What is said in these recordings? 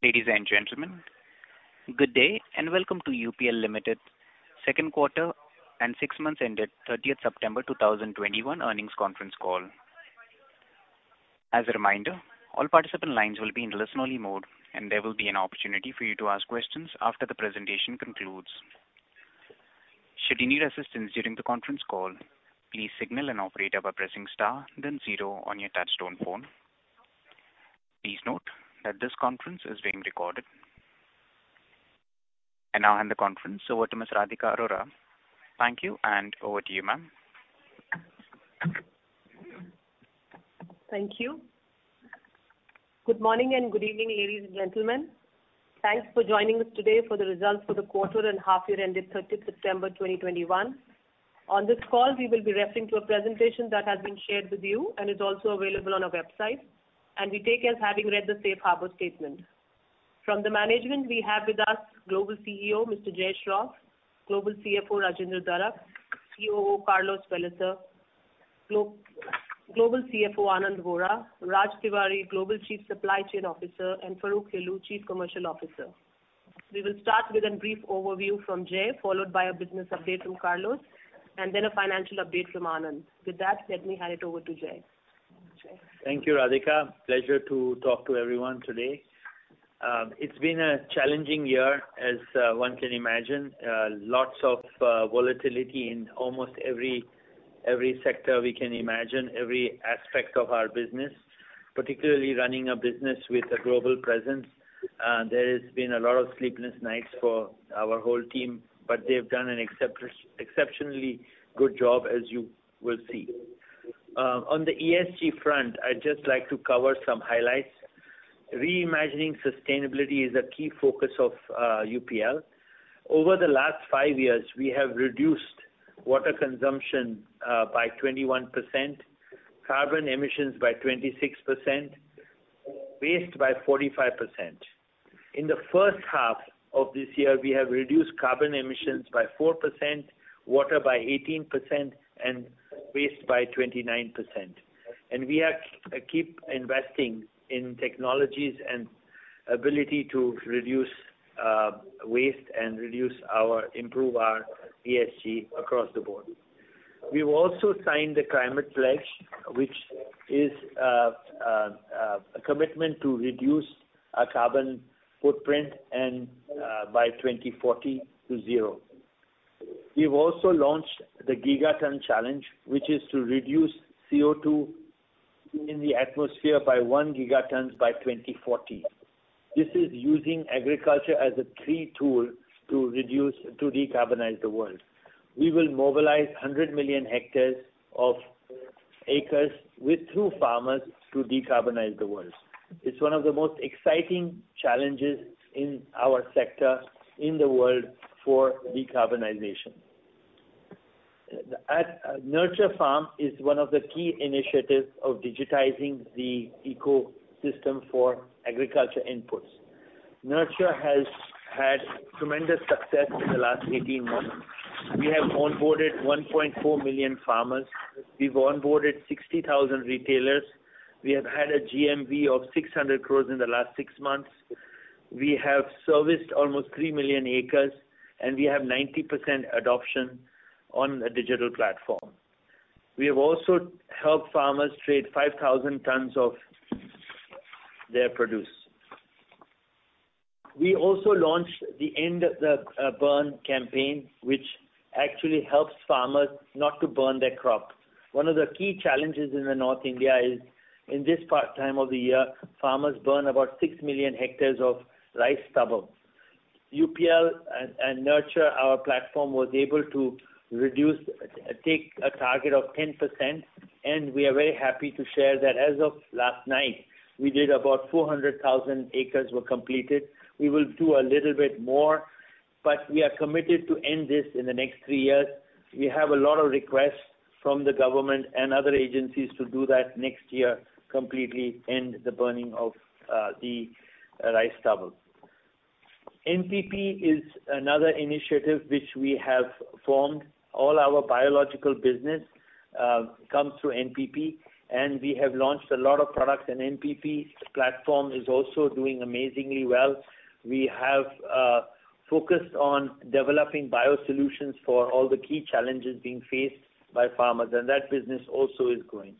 Ladies and gentlemen, good day, and welcome to UPL Limited second quarter and six months ended 30th September 2021 earnings conference call. As a reminder, all participant lines will be in listen-only mode, and there will be an opportunity for you to ask questions after the presentation concludes. Should you need assistance during the conference call, please signal an operator by pressing star then zero on your touchtone phone. Please note that this conference is being recorded. I now hand the conference over to Ms. Radhika Arora. Thank you and over to you, ma'am. Thank you. Good morning and good evening, ladies and gentlemen. Thanks for joining us today for the results for the quarter and half year ended 30 September 2021. On this call, we will be referring to a presentation that has been shared with you and is also available on our website, and we take it as having read the Safe Harbor statement. From the management we have with us Global CEO, Mr. Jai Shroff, Global CFO Rajendra Darak, COO Carlos Pellicer, Global CFO Anand Vora, Raj Tiwari, Global Chief Supply Chain Officer, and Farokh Hilloo, Chief Commercial Officer. We will start with a brief overview from Jai, followed by a business update from Carlos, and then a financial update from Anand. With that, let me hand it over to Jai. Jai. Thank you, Radhika. Pleasure to talk to everyone today. It's been a challenging year as one can imagine. Lots of volatility in almost every sector we can imagine, every aspect of our business, particularly running a business with a global presence. There has been a lot of sleepless nights for our whole team, but they've done an exceptionally good job, as you will see. On the ESG front, I'd just like to cover some highlights. Reimagining sustainability is a key focus of UPL. Over the last five years, we have reduced water consumption by 21%, carbon emissions by 26%, waste by 45%. In the first half of this year, we have reduced carbon emissions by 4%, water by 18%, and waste by 29%. We keep investing in technologies and ability to reduce waste and improve our ESG across the board. We've also signed the Climate Pledge, which is a commitment to reduce our carbon footprint and by 2040 to zero. We've also launched the Gigaton Challenge, which is to reduce CO2 in the atmosphere by 1 gigaton by 2040. This is using agriculture as a key tool to reduce, to decarbonize the world. We will mobilize 100 million hectares with 2 billion farmers to decarbonize the world. It's one of the most exciting challenges in our sector in the world for decarbonization. At nurture.farm is one of the key initiatives of digitizing the ecosystem for agriculture inputs. Nurture.farm has had tremendous success in the last 18 months. We have onboarded 1.4 million farmers. We've onboarded 60,000 retailers. We have had a GMV of 600 crores in the last six months. We have serviced almost 3 million acres, and we have 90% adoption on a digital platform. We have also helped farmers trade 5,000 tons of their produce. We also launched the EndTheBurn campaign, which actually helps farmers not to burn their crop. One of the key challenges in North India is, in this part of the year, farmers burn about 6 million hectares of rice stubble. UPL and Nurture, our platform, was able to take a target of 10%, and we are very happy to share that as of last night, we did about 400,000 acres were completed. We will do a little bit more, but we are committed to end this in the next three years. We have a lot of requests from the government and other agencies to do that next year, completely end the burning of the rice stubble. NPP is another initiative which we have formed. All our biological business comes through NPP, and we have launched a lot of products, and NPP platform is also doing amazingly well. We have focused on developing BioSolutions for all the key challenges being faced by farmers, and that business also is growing.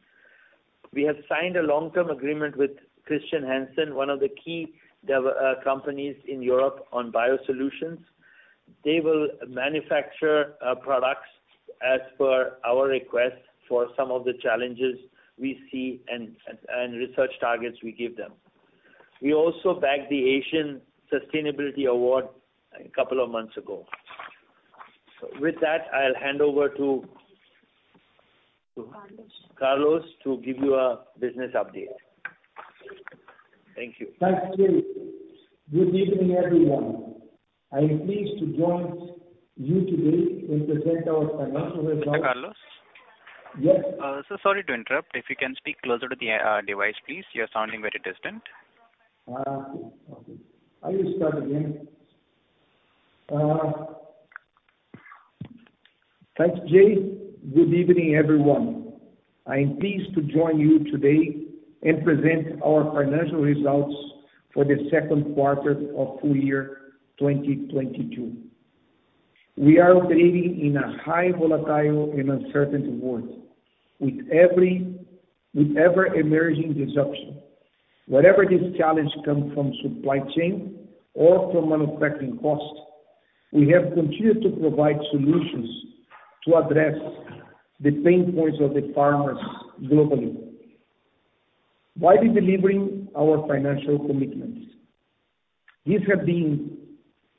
We have signed a long-term agreement with Christian Hansen, one of the key dev companies in Europe on BioSolutions. They will manufacture products as per our request for some of the challenges we see and research targets we give them. We also bagged the Asian Sustainability Leadership Award a couple of months ago. With that, I'll hand over to- Carlos. Carlos to give you a business update. Thank you. Thanks, Jai. Good evening, everyone. I'm pleased to join you today and present our financial results. Carlos? Yes. Sir, sorry to interrupt. If you can speak closer to the device, please. You're sounding very distant. Okay. I will start again. Thanks, Jai. Good evening, everyone. I'm pleased to join you today and present our financial results for the second quarter of full year 2022. We are operating in a highly volatile and uncertain world with ever emerging disruption. Whatever the challenge comes from supply chain or from manufacturing costs, we have continued to provide solutions to address the pain points of the farmers globally while delivering our financial commitments. These have been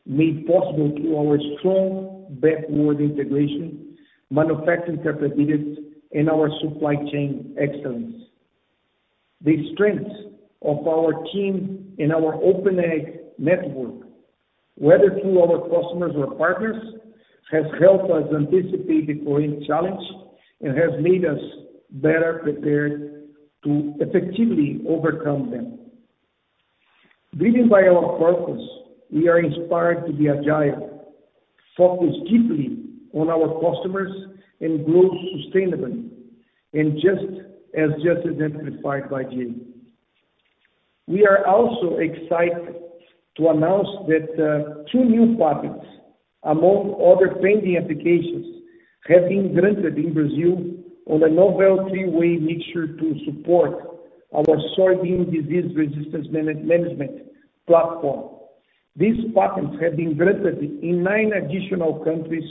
made possible through our strong backward integration, manufacturing capabilities, and our supply chain excellence. The strengths of our team and our OpenAg network, whether through our customers or partners, has helped us anticipate the foregoing challenge and has made us better prepared to effectively overcome them. Driven by our purpose, we are inspired to be agile, focused deeply on our customers and grow sustainably, and just as identified by Jai. We are also excited to announce that, two new patents, among other pending applications, have been granted in Brazil on a novel three-way mixture to support our soybean disease resistance management platform. These patents have been granted in nine additional countries,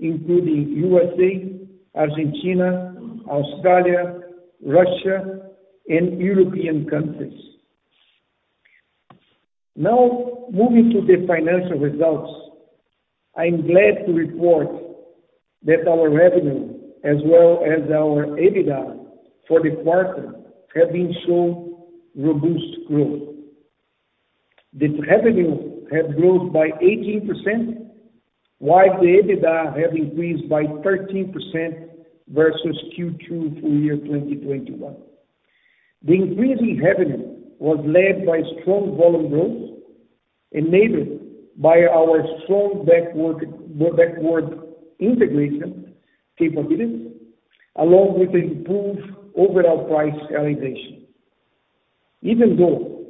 including USA, Argentina, Australia, Russia, and European countries. Now, moving to the financial results, I'm glad to report that our revenue as well as our EBITDA for the quarter have been shown robust growth. The revenue have grown by 18%, while the EBITDA have increased by 13% versus Q2 full year 2021. The increase in revenue was led by strong volume growth enabled by our strong backward integration capabilities, along with improved overall price realization. Even though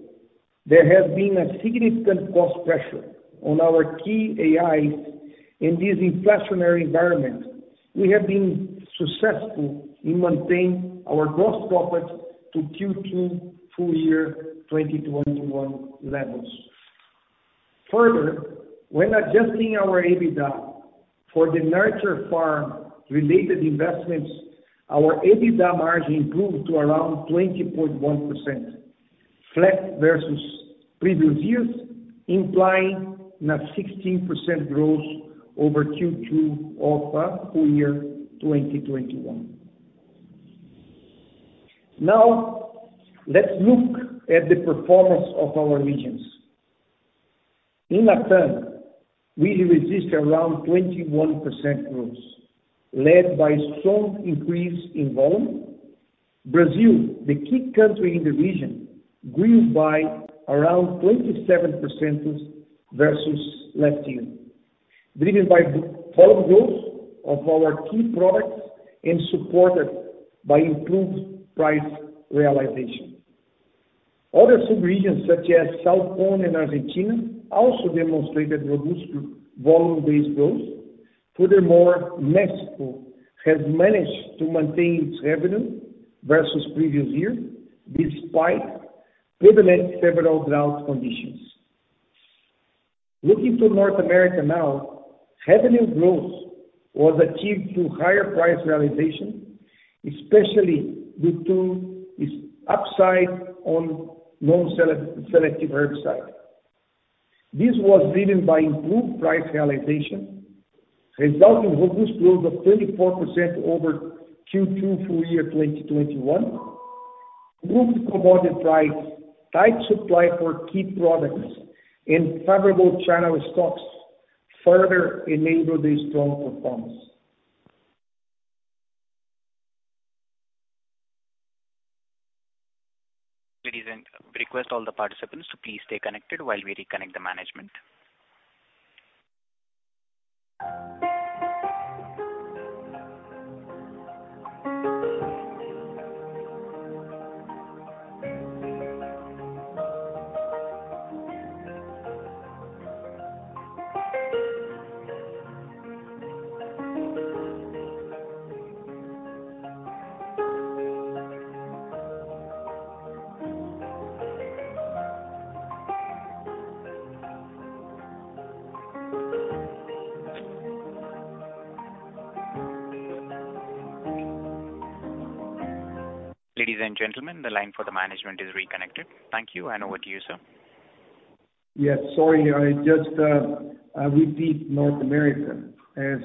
there has been a significant cost pressure on our key AIs in this inflationary environment, we have been successful in maintaining our gross profits to Q2 FY 2021 levels. Further, when adjusting our EBITDA for the nurture.farm-related investments, our EBITDA margin improved to around 20.1%, flat versus previous years, implying a 16% growth over Q2 of FY 2021. Now, let's look at the performance of our regions. In LATAM, we registered around 21% growth, led by strong increase in volume. Brazil, the key country in the region, grew by around 27% versus last year, driven by the volume growth of our key products and supported by improved price realization. Other subregions, such as Southern Cone and Argentina, also demonstrated robust volume-based growth. Furthermore, Mexico has managed to maintain its revenue versus previous year despite prevalent severe drought conditions. Looking to North America now, revenue growth was achieved through higher price realization, especially due to its upside on non-selective herbicide. This was driven by improved price realization, resulting in robust growth of 34% over Q2 full year 2021. Improved commodity price, tight supply for key products, and favorable channel stocks further enabled this strong performance. Request all the participants to please stay connected while we reconnect the management. Ladies and gentlemen, the line for the management is reconnected. Thank you, and over to you, sir. Yes, sorry. I just repeat North America as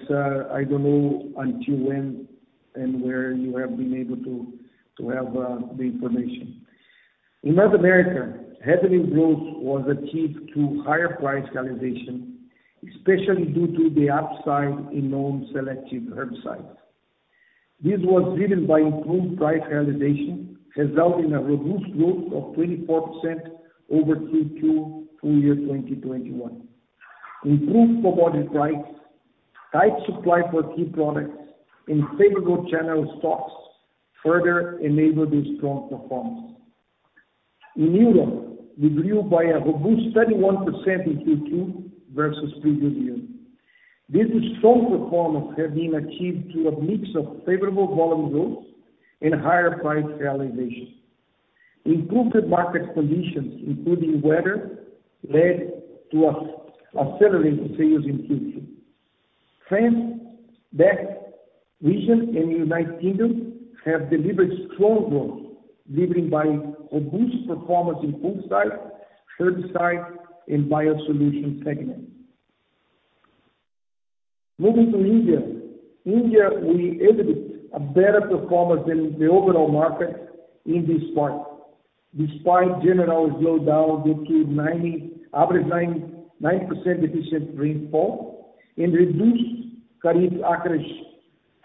I don't know until when and where you have been able to have the information. In North America, revenue growth was achieved through higher price realization, especially due to the upside in non-selective herbicides. This was driven by improved price realization, resulting in a reduced growth of 24% over Q2 FY 2021. Improved commodity prices, tight supply for key products, and favorable channel stocks further enabled this strong performance. In Europe, we grew by a robust 31% in Q2 versus previous year. This strong performance has been achieved through a mix of favorable volume growth and higher price realization. Improved market conditions, including weather, led to accelerating sales in Q2. France, Benelux region, and United Kingdom have delivered strong growth, driven by robust performance in fungicide, herbicide, and BioSolutions segment. Moving to India. India, we exhibited a better performance than the overall market in this part, despite general slowdown due to average 99% deficient rainfall and reduced kharif acreage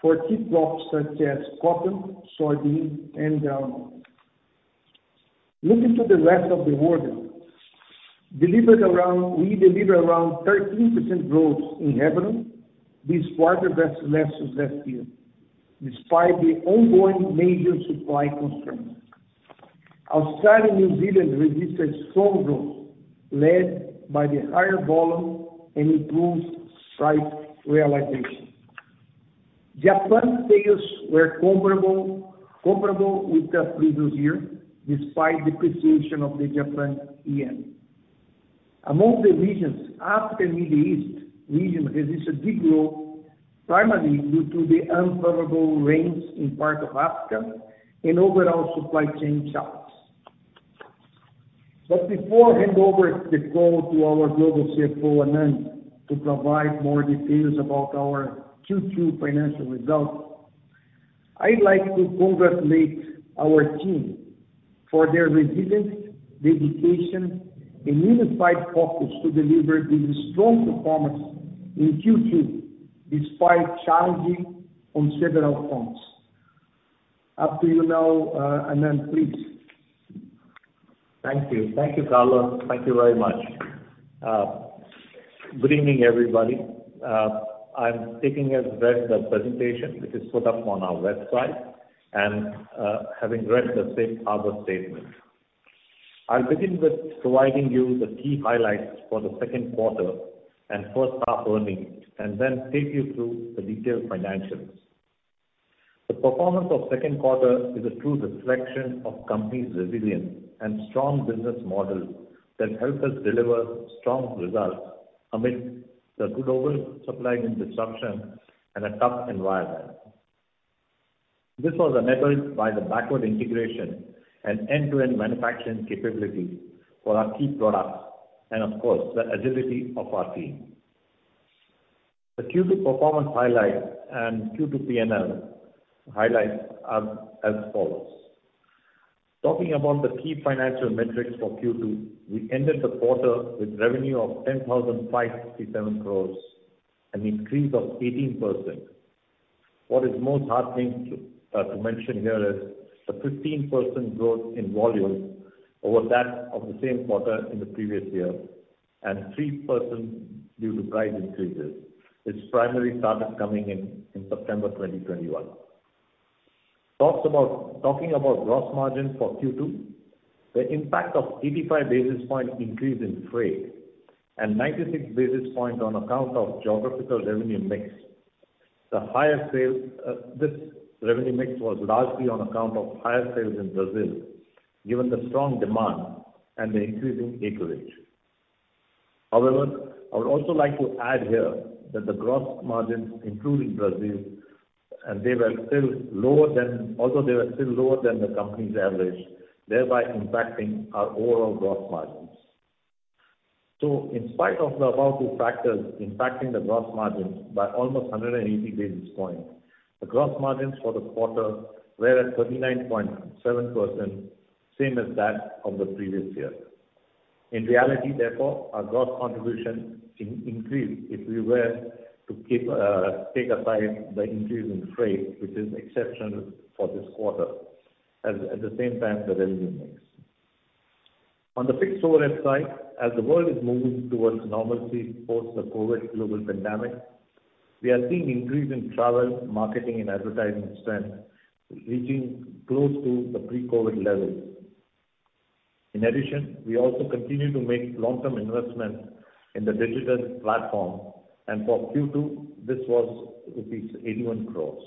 for key crops such as cotton, soybean, and groundnut. Moving to the rest of the world, we delivered around 13% growth in revenue this quarter versus last year, despite the ongoing major supply constraints. Australia and New Zealand registered strong growth led by the higher volume and improved price realization. Japan sales were comparable with the previous year, despite depreciation of the Japanese yen. Among the regions, Africa and Middle East region registered weak growth, primarily due to the unfavorable rains in part of Africa and overall supply chain challenges. before handing over the call to our Global CFO, Anand, to provide more details about our Q2 financial results, I'd like to congratulate our team for their resilience, dedication, and unified focus to deliver this strong performance in Q2 despite challenges on several fronts. Over to you now, Anand, please. Thank you, Carlos. Thank you very much. Good evening, everybody. I'm taking us back to the presentation, which is put up on our website and, having read the Safe Harbor statement. I'll begin with providing you the key highlights for the second quarter and first half earnings, and then take you through the detailed financials. The performance of second quarter is a true reflection of company's resilience and strong business model that help us deliver strong results amid the global supply chain disruptions and a tough environment. This was enabled by the backward integration and end-to-end manufacturing capabilities for our key products and of course, the agility of our team. The Q2 performance highlights and Q2 P&L highlights are as follows. Talking about the key financial metrics for Q2, we ended the quarter with revenue of 10,567 crores, an increase of 18%. What is most heartening to mention here is the 15% growth in volume over that of the same quarter in the previous year, and 3% due to price increases, which primarily started coming in September 2021. Talking about gross margin for Q2, the impact of 85 basis point increase in freight and 96 basis point on account of geographical revenue mix, the higher sales, this revenue mix was largely on account of higher sales in Brazil, given the strong demand and the increasing acreage. However, I would also like to add here that the gross margins including Brazil, although they were still lower than the company's average, thereby impacting our overall gross margins. In spite of the above two factors impacting the gross margins by almost 180 basis points, the gross margins for the quarter were at 39.7%, same as that of the previous year. In reality, therefore, our gross contribution increased if we were to keep take aside the increase in freight, which is exceptional for this quarter, at the same time, the revenue mix. On the fixed overhead side, as the world is moving towards normalcy post the COVID global pandemic, we are seeing increase in travel, marketing, and advertising spend reaching close to the pre-COVID levels. In addition, we also continue to make long-term investments in the digital platform, and for Q2, this was rupees 81 crores.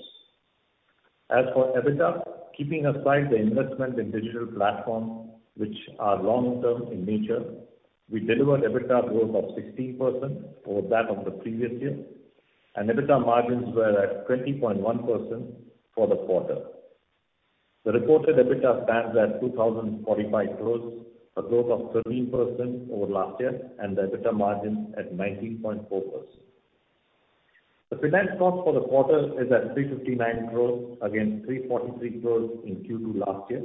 As for EBITDA, keeping aside the investment in digital platform, which are long-term in nature, we delivered EBITDA growth of 16% over that of the previous year, and EBITDA margins were at 20.1% for the quarter. The reported EBITDA stands at 2,045 crores, a growth of 13% over last year, and the EBITDA margin at 19.4%. The finance cost for the quarter is at 359 crores against 343 crores in Q2 last year.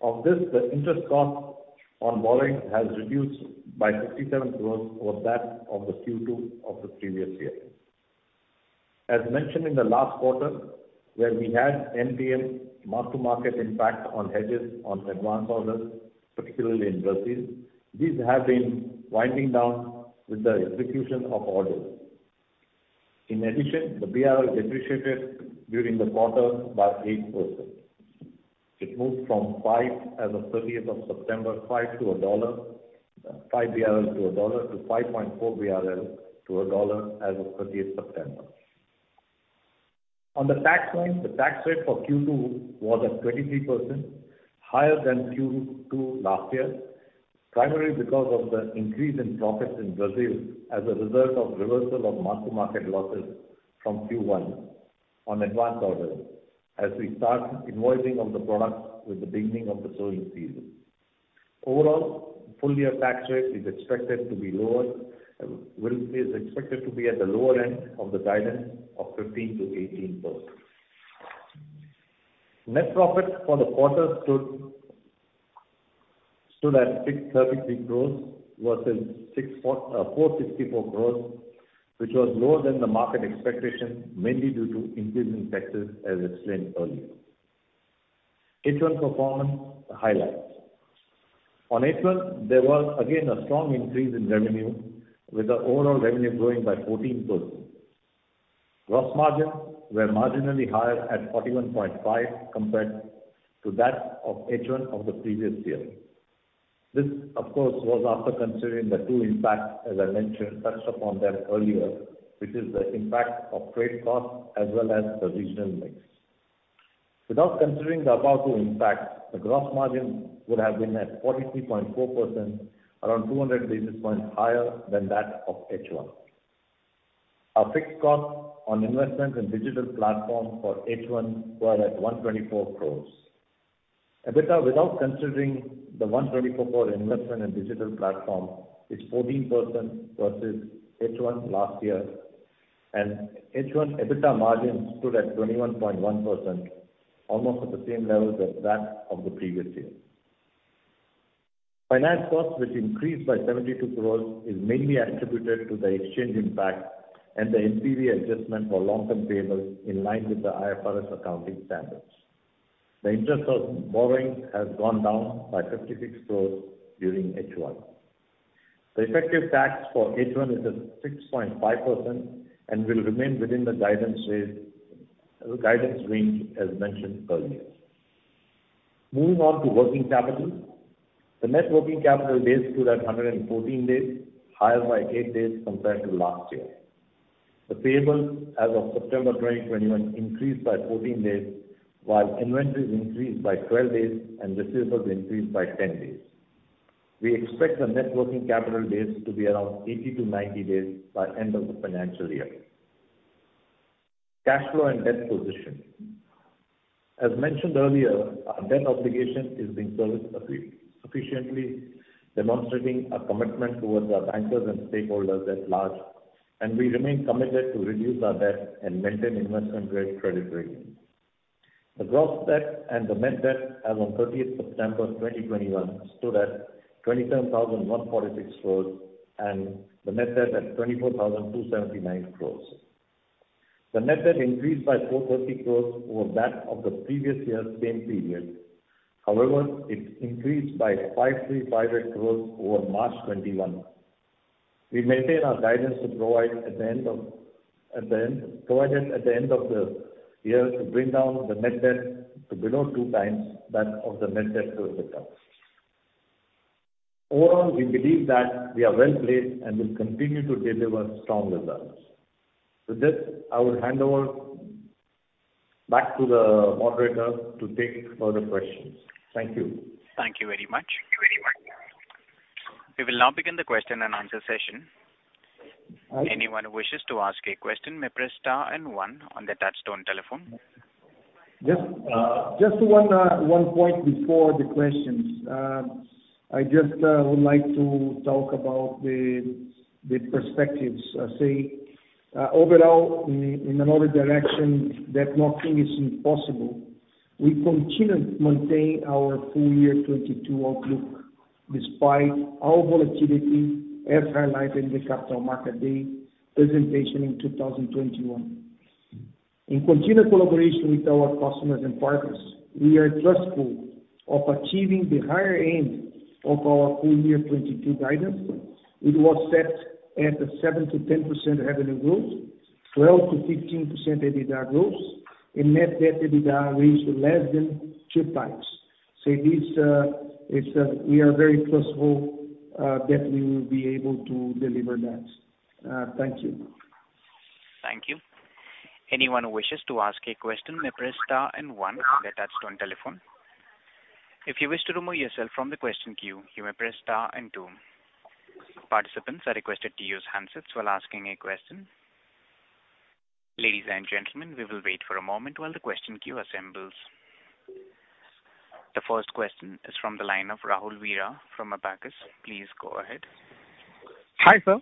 Of this, the interest cost on borrowing has reduced by 67 crores over that of the Q2 of the previous year. As mentioned in the last quarter where we had MTM mark-to-market impact on hedges on advanced orders, particularly in Brazil, these have been winding down with the execution of orders. In addition, the BRL depreciated during the quarter by 8%. It moved from 5 BRL to a dollar to 5.4 BRL to a dollar as of thirtieth of September. On the tax front, the tax rate for Q2 was at 23%, higher than Q2 last year, primarily because of the increase in profits in Brazil as a result of reversal of mark-to-market losses from Q1 on advanced orders as we start invoicing of the products with the beginning of the sowing season. Overall, full year tax rate is expected to be lower and is expected to be at the lower end of the guidance of 15%-18%. Net profit for the quarter stood at 636 crores versus 464 crores, which was lower than the market expectation mainly due to increase in taxes as explained earlier. H1 performance highlights. On H1, there was again a strong increase in revenue with the overall revenue growing by 14%. Gross margin were marginally higher at 41.5% compared to that of H1 of the previous year. This of course was after considering the two impacts as I mentioned, touched upon them earlier, which is the impact of trade costs as well as the regional mix. Without considering the above two impacts, the gross margin would have been at 43.4%, around 200 basis points higher than that of H1. Our fixed cost on investments in digital platform for H1 were at 124 crores. EBITDA without considering the 124 crore investment in digital platform is 14% versus H1 last year, and H1 EBITDA margin stood at 21.1%, almost at the same level as that of the previous year. Finance cost which increased by 72 crore is mainly attributed to the exchange impact and the NPV adjustment for long-term payables in line with the IFRS accounting standards. The interest of borrowing has gone down by 56 crore during H1. The effective tax for H1 is at 6.5% and will remain within the guidance range as mentioned earlier. Moving on to working capital. The net working capital days stood at 114 days, higher by eight days compared to last year. The payables as of September 2021 increased by 14 days while inventories increased by 12 days and receivables increased by 10 days. We expect the net working capital days to be around 80-90 days by end of the financial year. Cash flow and debt position. As mentioned earlier, our debt obligation is being serviced sufficiently, demonstrating our commitment towards our bankers and stakeholders at large, and we remain committed to reduce our debt and maintain investment grade credit rating. The gross debt and the net debt as on 30 September 2021 stood at 27,146 crores and the net debt at 24,279 crores. The net debt increased by 430 crores over that of the previous year same period. However, it increased by 535 crores over March 2021. We maintain our guidance provided at the end of the year to bring down the net debt to below two times the net debt to EBITDA. Overall, we believe that we are well placed and will continue to deliver strong results. With this, I will hand over back to the moderator to take further questions. Thank you. Thank you very much. We will now begin the question and answer session. All right. Anyone who wishes to ask a question may press star and one on their touchtone telephone. Just one point before the questions. I just would like to talk about the perspectives. Say, overall in another direction that nothing is impossible. We continue to maintain our full year 2022 outlook despite our volatility as highlighted in the Capital Markets Day presentation in 2021. In continued collaboration with our customers and partners, we are trustful of achieving the higher end of our full year 2022 guidance. It was set at a 7%-10% revenue growth, 12%-15% EBITDA growth and net debt to EBITDA ratio less than 2x. This, it's, we are very trustful that we will be able to deliver that. Thank you. Thank you. Anyone who wishes to ask a question may press star and one on their touchtone telephone. If you wish to remove yourself from the question queue, you may press star and two. Participants are requested to use handsets while asking a question. Ladies and gentlemen, we will wait for a moment while the question queue assembles. The first question is from the line of Rahul Veera from Abakkus. Please go ahead. Hi, sir.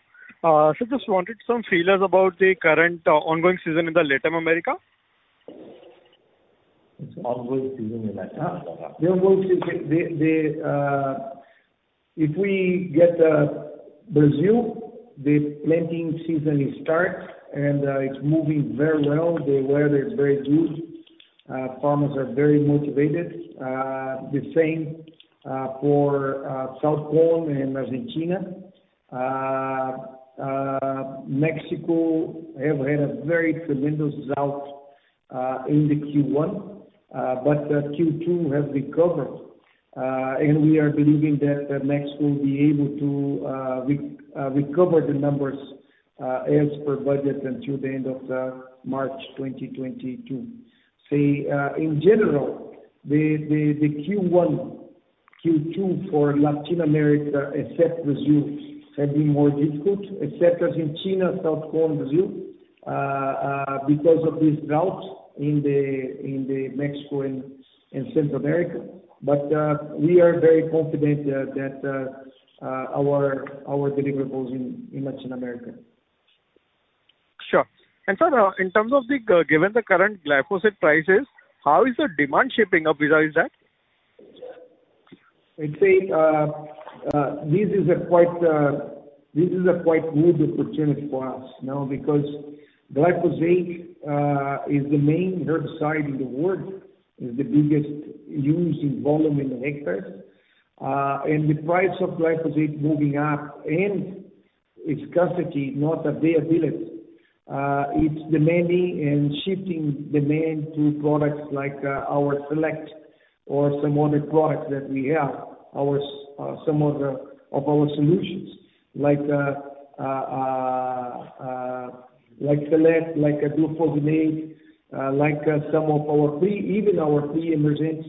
Just wanted some feelers about the current ongoing season in Latin America. Ongoing season in Latin America. The ongoing season. If we get Brazil, the planting season has started and it's moving very well. The weather is very good. Farmers are very motivated. The same for Southern Cone and Argentina. Mexico has had a very tremendous result in the Q1. Q2 has recovered. We are believing that Mexico will be able to recover the numbers as per budget until the end of March 2022. So, in general, the Q1, Q2 for Latin America except Brazil have been more difficult, except Argentina, Southern Cone and Brazil, because of this drought in the Mexico and Central America. We are very confident that our deliverables in Latin America. Sure. Sir, in terms of, given the current glyphosate prices, how is the demand shaping up with all that? I'd say, this is a quite good opportunity for us, you know, because glyphosate is the main herbicide in the world, is the biggest used in volume in hectares. The price of glyphosate moving up and its scarcity, not availability, it's demanding and shifting demand to products like our Select or some other products that we have, some other of our solutions like Select, like a glufosinate, like some of our pre-emergence,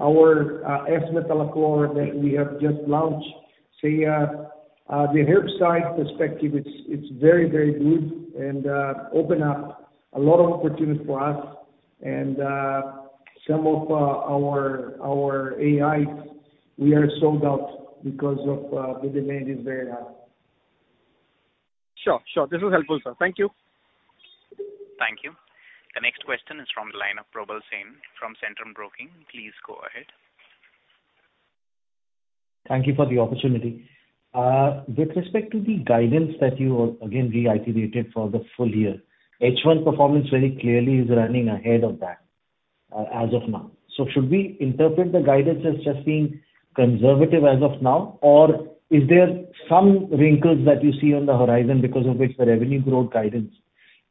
our S-metolachlor that we have just launched. The herbicide perspective, it's very good and open up a lot of opportunity for us. Some of our AI, we are sold out because of the demand is very high. Sure. This is helpful, sir. Thank you. Thank you. The next question is from the line of Prabhal Sain from Centrum Broking. Please go ahead. Thank you for the opportunity. With respect to the guidance that you, again, reiterated for the full year, H1 performance very clearly is running ahead of that, as of now. Should we interpret the guidance as just being conservative as of now, or is there some wrinkles that you see on the horizon because of which the revenue growth guidance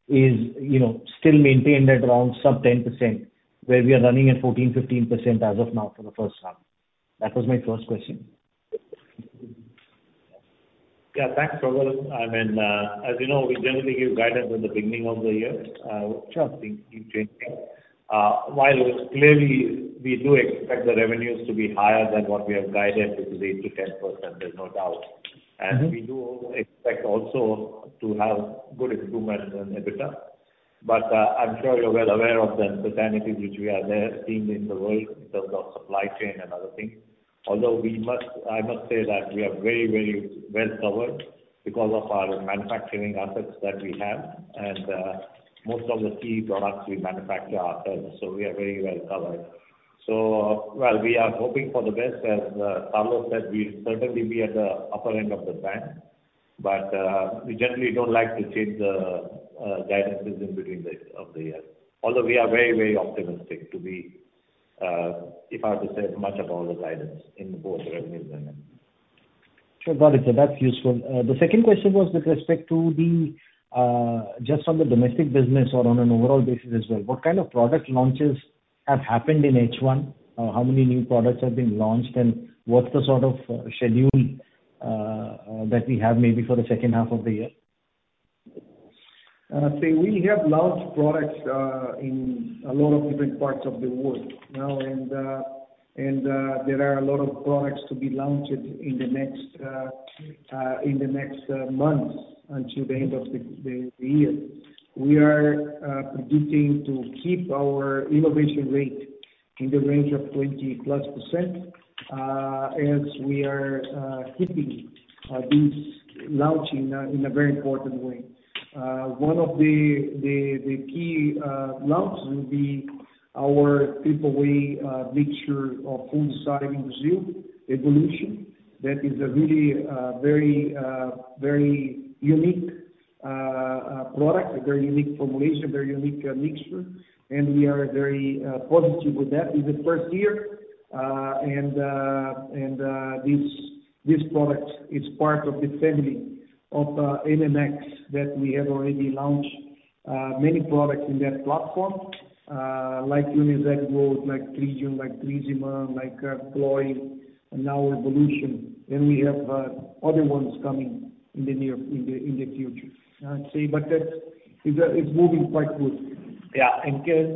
is, you know, still maintained at around sub 10%, where we are running at 14%-15% as of now for the first half? That was my first question. Yeah, thanks, Prabhal. I mean, as you know, we generally give guidance at the beginning of the year. Sure. We keep changing. While clearly we do expect the revenues to be higher than what we have guided, which is 8%-10%, there's no doubt. Mm-hmm. We do expect also to have good improvement in EBITDA. I'm sure you're well aware of the uncertainties which we are there seeing in the world in terms of supply chain and other things. I must say that we are very, very well covered because of our manufacturing assets that we have, and most of the key products we manufacture ourselves, so we are very well covered. While we are hoping for the best, as Carlos said, we'll certainly be at the upper end of the band. We generally don't like to change the guidance between the of the year. We are very, very optimistic to be, if I have to say as much above the guidance in both revenues and earnings. Sure, got it, sir. That's useful. The second question was with respect to, just on the domestic business or on an overall basis as well, what kind of product launches have happened in H1? How many new products have been launched, and what's the sort of schedule that we have maybe for the second half of the year? As we have launched products in a lot of different parts of the world, you know. There are a lot of products to be launched in the next months until the end of the year. We are predicting to keep our innovation rate in the range of 20%+ as we are keeping these launches in a very important way. One of the key launches will be our three-way mixture of Full Size in Brazil Evolution. That is a really very unique product, a very unique formulation, very unique mixture. We are very positive with that in the first year. This product is part of the family of NMX that we have already launched many products in that platform, like Unizeb Gold, like Tridium, like Triziman, like Cloy, and now Evolution. We have other ones coming in the near future. I'd say but that's, it's moving quite good. Yeah. In case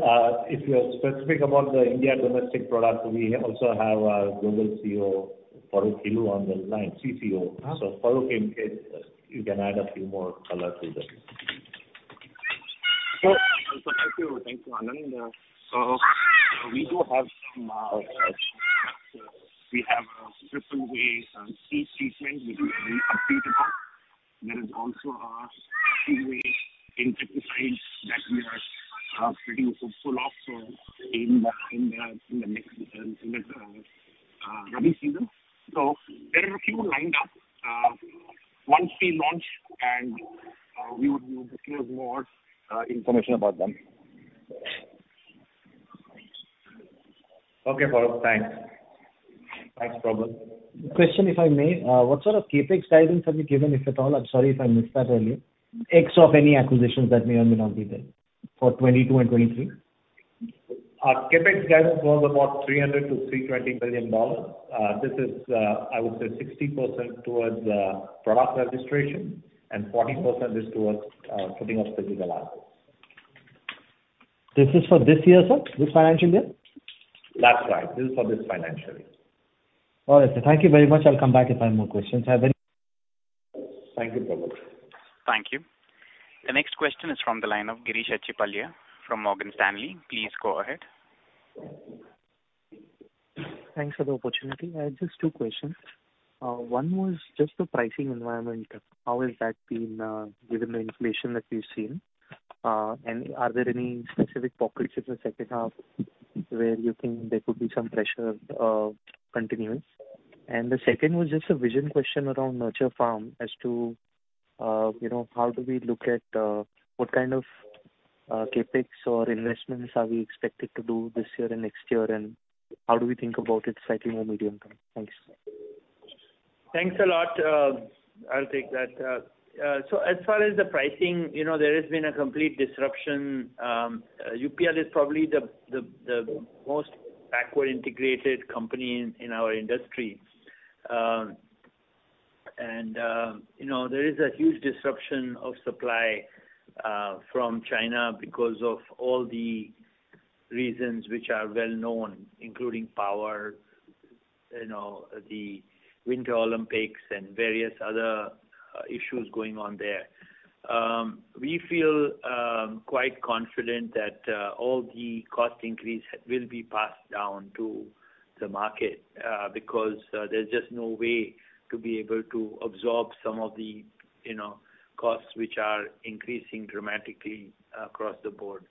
if you are specific about the India domestic product, we also have our Global CEO, Farokh Hilloo on the line, CCO. Uh-huh. Farokh, in case you can add a few more color to this. Thank you, Anand. We have a triple way seed treatment, which we are very upbeat about. There is also a three way in pesticides that we are pretty hopeful of in the next growing season. There is a few lined up once we launch and we would disclose more information about them. Okay, Farokh. Thanks. Thanks, Prabhal. Question if I may. What sort of CapEx guidance have you given, if at all? I'm sorry if I missed that earlier. Excluding any acquisitions that may or may not be there for 2022 and 2023. Our CapEx guidance was about $300 billion-$320 billion. This is, I would say, 60% towards product registration and 40% is towards putting up physical assets. This is for this year, sir, this financial year? That's right. This is for this financial year. All right, sir. Thank you very much. I'll come back if I have more questions. Have a nice Thank you, Prabhal. Thank you. The next question is from the line of Girish Achhipalia from Morgan Stanley. Please go ahead. Thanks for the opportunity. I have just two questions. One was just the pricing environment. How has that been, given the inflation that we've seen? Are there any specific pockets in the second half where you think there could be some pressure, continuance? The second was just a vision question around nurture.farm as to, you know, how do we look at what kind of CapEx or investments are we expected to do this year and next year, and how do we think about it slightly more medium term? Thanks. Thanks a lot. I'll take that. As far as the pricing, you know, there has been a complete disruption. UPL is probably the most backward integrated company in our industry. You know, there is a huge disruption of supply from China because of all the reasons which are well known, including power, you know, the Winter Olympics and various other issues going on there. We feel quite confident that all the cost increase will be passed down to the market because there's just no way to be able to absorb some of the, you know, costs which are increasing dramatically across the board.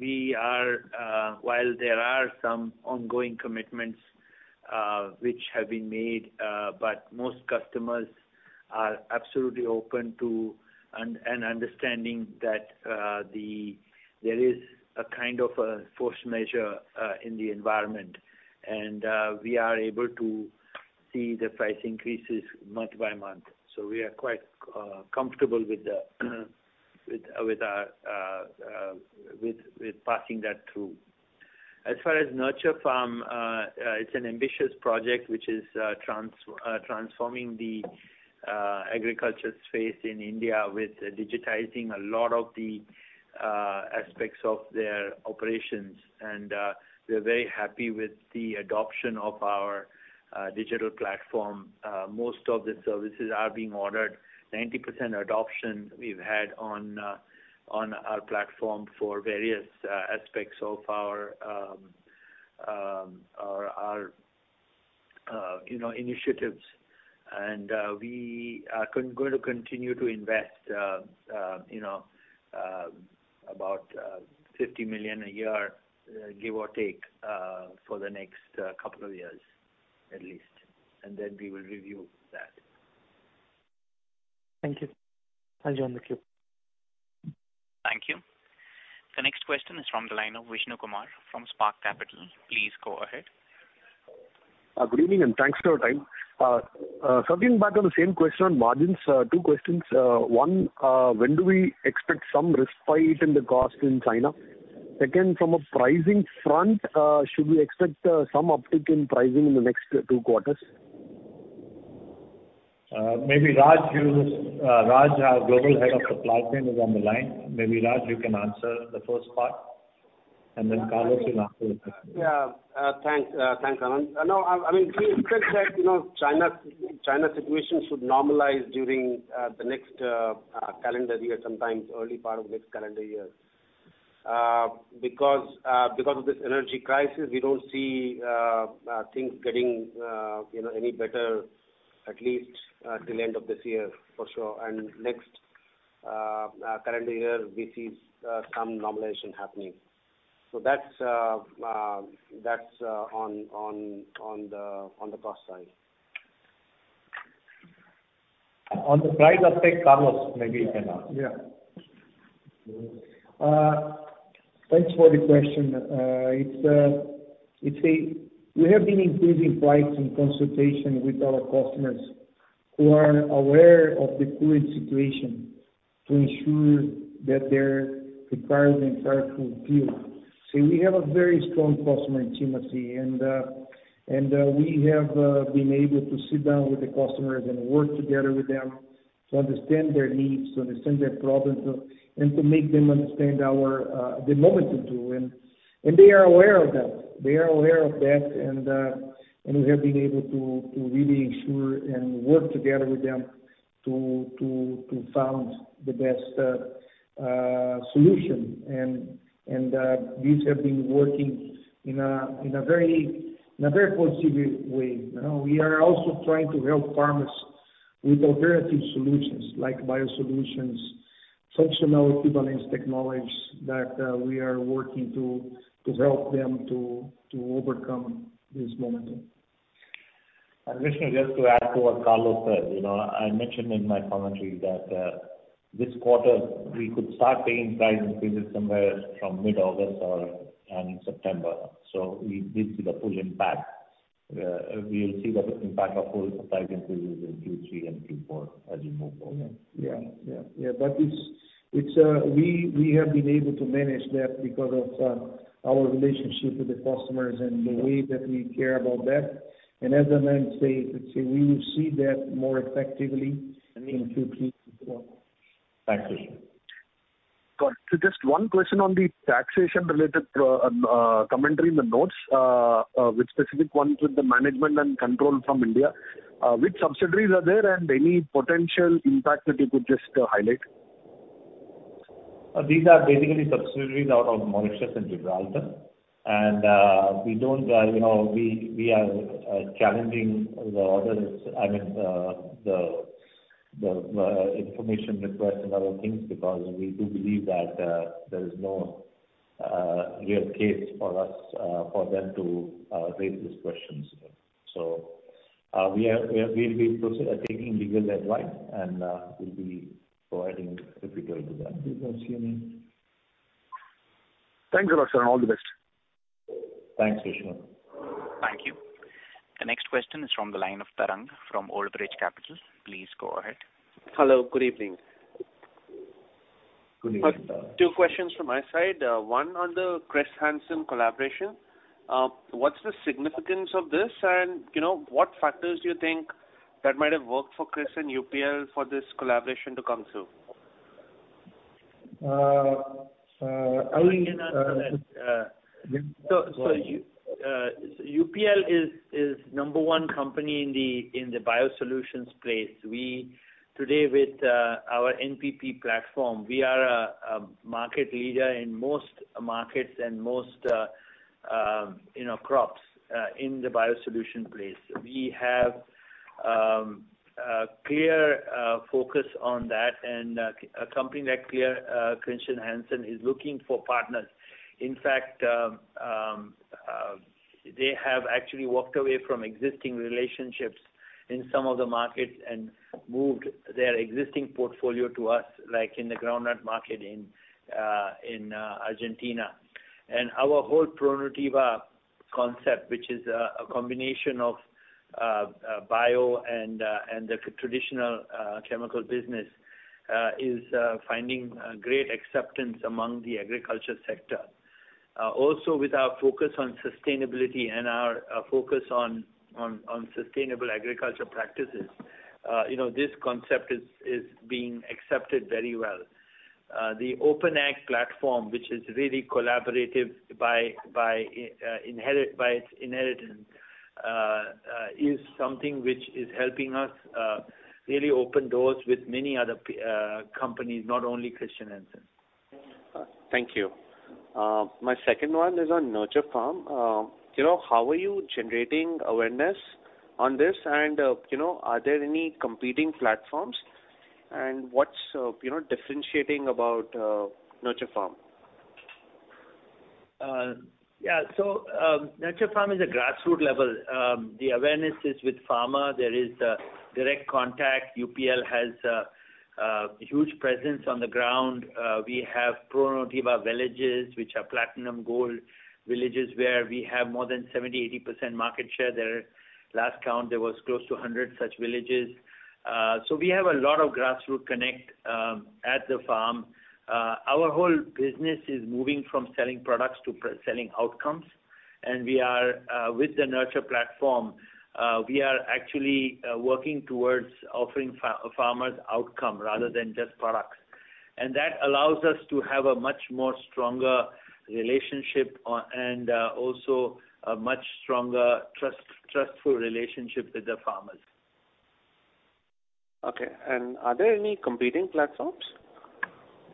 We are, while there are some ongoing commitments which have been made, but most customers are absolutely open to an understanding that there is a kind of a force majeure in the environment. We are able to see the price increases month by month. We are quite comfortable with passing that through. As far as nurture.farm, it's an ambitious project which is transforming the agriculture space in India with digitizing a lot of the aspects of their operations. We're very happy with the adoption of our digital platform. Most of the services are being ordered. 90% adoption we've had on our platform for various aspects of our you know initiatives. We are going to continue to invest you know about $50 million a year, give or take, for the next couple of years at least, and then we will review that. Thank you. I'll join the queue. Thank you. The next question is from the line of Vishnu Kumar from Spark Capital. Please go ahead. Good evening and thanks for your time. Circling back on the same question on margins, two questions. One, when do we expect some respite in the cost in China? Second, from a pricing front, should we expect some uptick in pricing in the next two quarters? Maybe Raj Tiwari, our Global Head of Supply Chain, is on the line. Maybe Raj Tiwari, you can answer the first part and then Carlos can answer the second one. Yeah. Thanks. Thanks, Anand. No, I mean, we expect that, you know, China's situation should normalize during the next calendar year, sometimes early part of next calendar year. Because of this energy crisis, we don't see things getting, you know, any better at least till end of this year for sure. Next calendar year we see some normalization happening. That's on the cost side. On the price uptick, Carlos, maybe you can. Yeah. Thanks for the question. We have been increasing price in consultation with our customers who are aware of the current situation to ensure that their requirements are fulfilled. See, we have a very strong customer intimacy and we have been able to sit down with the customers and work together with them to understand their needs, to understand their problems, and to make them understand the momentum too. They are aware of that, and we have been able to really ensure and work together with them to find the best solution. These have been working in a very positive way. You know, we are also trying to help farmers with alternative solutions like BioSolutions, functional equivalence technologies that we are working to help them to overcome this moment. Vishnu, just to add to what Carlos said, you know, I mentioned in my commentary that this quarter we could start seeing price increases somewhere from mid-August and September. We will see the full impact. We'll see the impact of full price increases in Q3 and Q4 as we move forward. Yeah. We have been able to manage that because of our relationship with the customers and the way that we care about that. As Aman said, let's say we will see that more effectively in Q3 and Q4. Thank you. Got you. Just one question on the taxation-related commentary in the notes. With specifics on the management and control from India, which subsidiaries are there and any potential impact that you could just highlight? These are basically subsidiaries out of Mauritius and Gibraltar. We don't, you know, we are challenging the orders, I mean, the information request and other things because we do believe that there is no real case for us, for them to raise these questions. We have been in process of taking legal advice, and we'll be providing if we go to that. Thanks a lot, sir. All the best. Thanks, Vishnu. Thank you. The next question is from the line of Tarang from Old Bridge Capital. Please go ahead. Hello, good evening. Good evening, Tarang. Two questions from my side. One on the Chr. Hansen collaboration. What's the significance of this? You know, what factors do you think that might have worked for Chr. Hansen and UPL for this collaboration to come through? Uh, uh, I will- I can answer that. U- Go ahead. UPL is number one company in the BioSolutions space. We, today with our NPP platform, we are a market leader in most markets and most, you know, crops in the BioSolutions space. We have a clear focus on that and as a company that clearly Chr. Hansen is looking for partners. In fact, they have actually walked away from existing relationships in some of the markets and moved their existing portfolio to us, like in the groundnut market in Argentina. Our whole ProNutiva concept, which is a combination of bio and the traditional chemical business, is finding great acceptance among the agricultural sector. Also with our focus on sustainability and our focus on sustainable agriculture practices, you know, this concept is being accepted very well. The OpenAg platform, which is really collaborative by its inheritance, is something which is helping us really open doors with many other companies, not only Chr. Hansen. Thank you. My second one is on nurture.farm. You know, how are you generating awareness on this? You know, are there any competing platforms? What's, you know, differentiating about nurture.farm? Yeah. Nurture.farm is a grassroots level. The awareness is with farmer. There is direct contact. UPL has a huge presence on the ground. We have ProNutiva villages, which are platinum gold villages, where we have more than 70%-80% market share. Last count there was close to 100 such villages. We have a lot of grassroots connect at the farm. Our whole business is moving from selling products to selling outcomes. We are with the nurture.farm platform. We are actually working towards offering farmers outcome rather than just products. That allows us to have a much more stronger relationship, and also a much stronger trustful relationship with the farmers. Okay. Are there any competing platforms?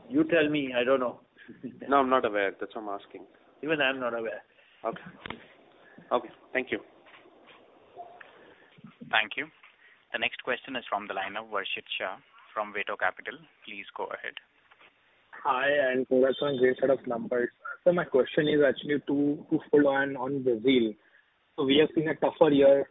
You tell me. I don't know. No, I'm not aware. That's why I'm asking. Even I'm not aware. Okay. Okay. Thank you. Thank you. The next question is from the line of Varshit Shah from Veto Capital. Please go ahead. Hi, congrats on great set of numbers. My question is actually to follow on Brazil. We have seen a tougher year,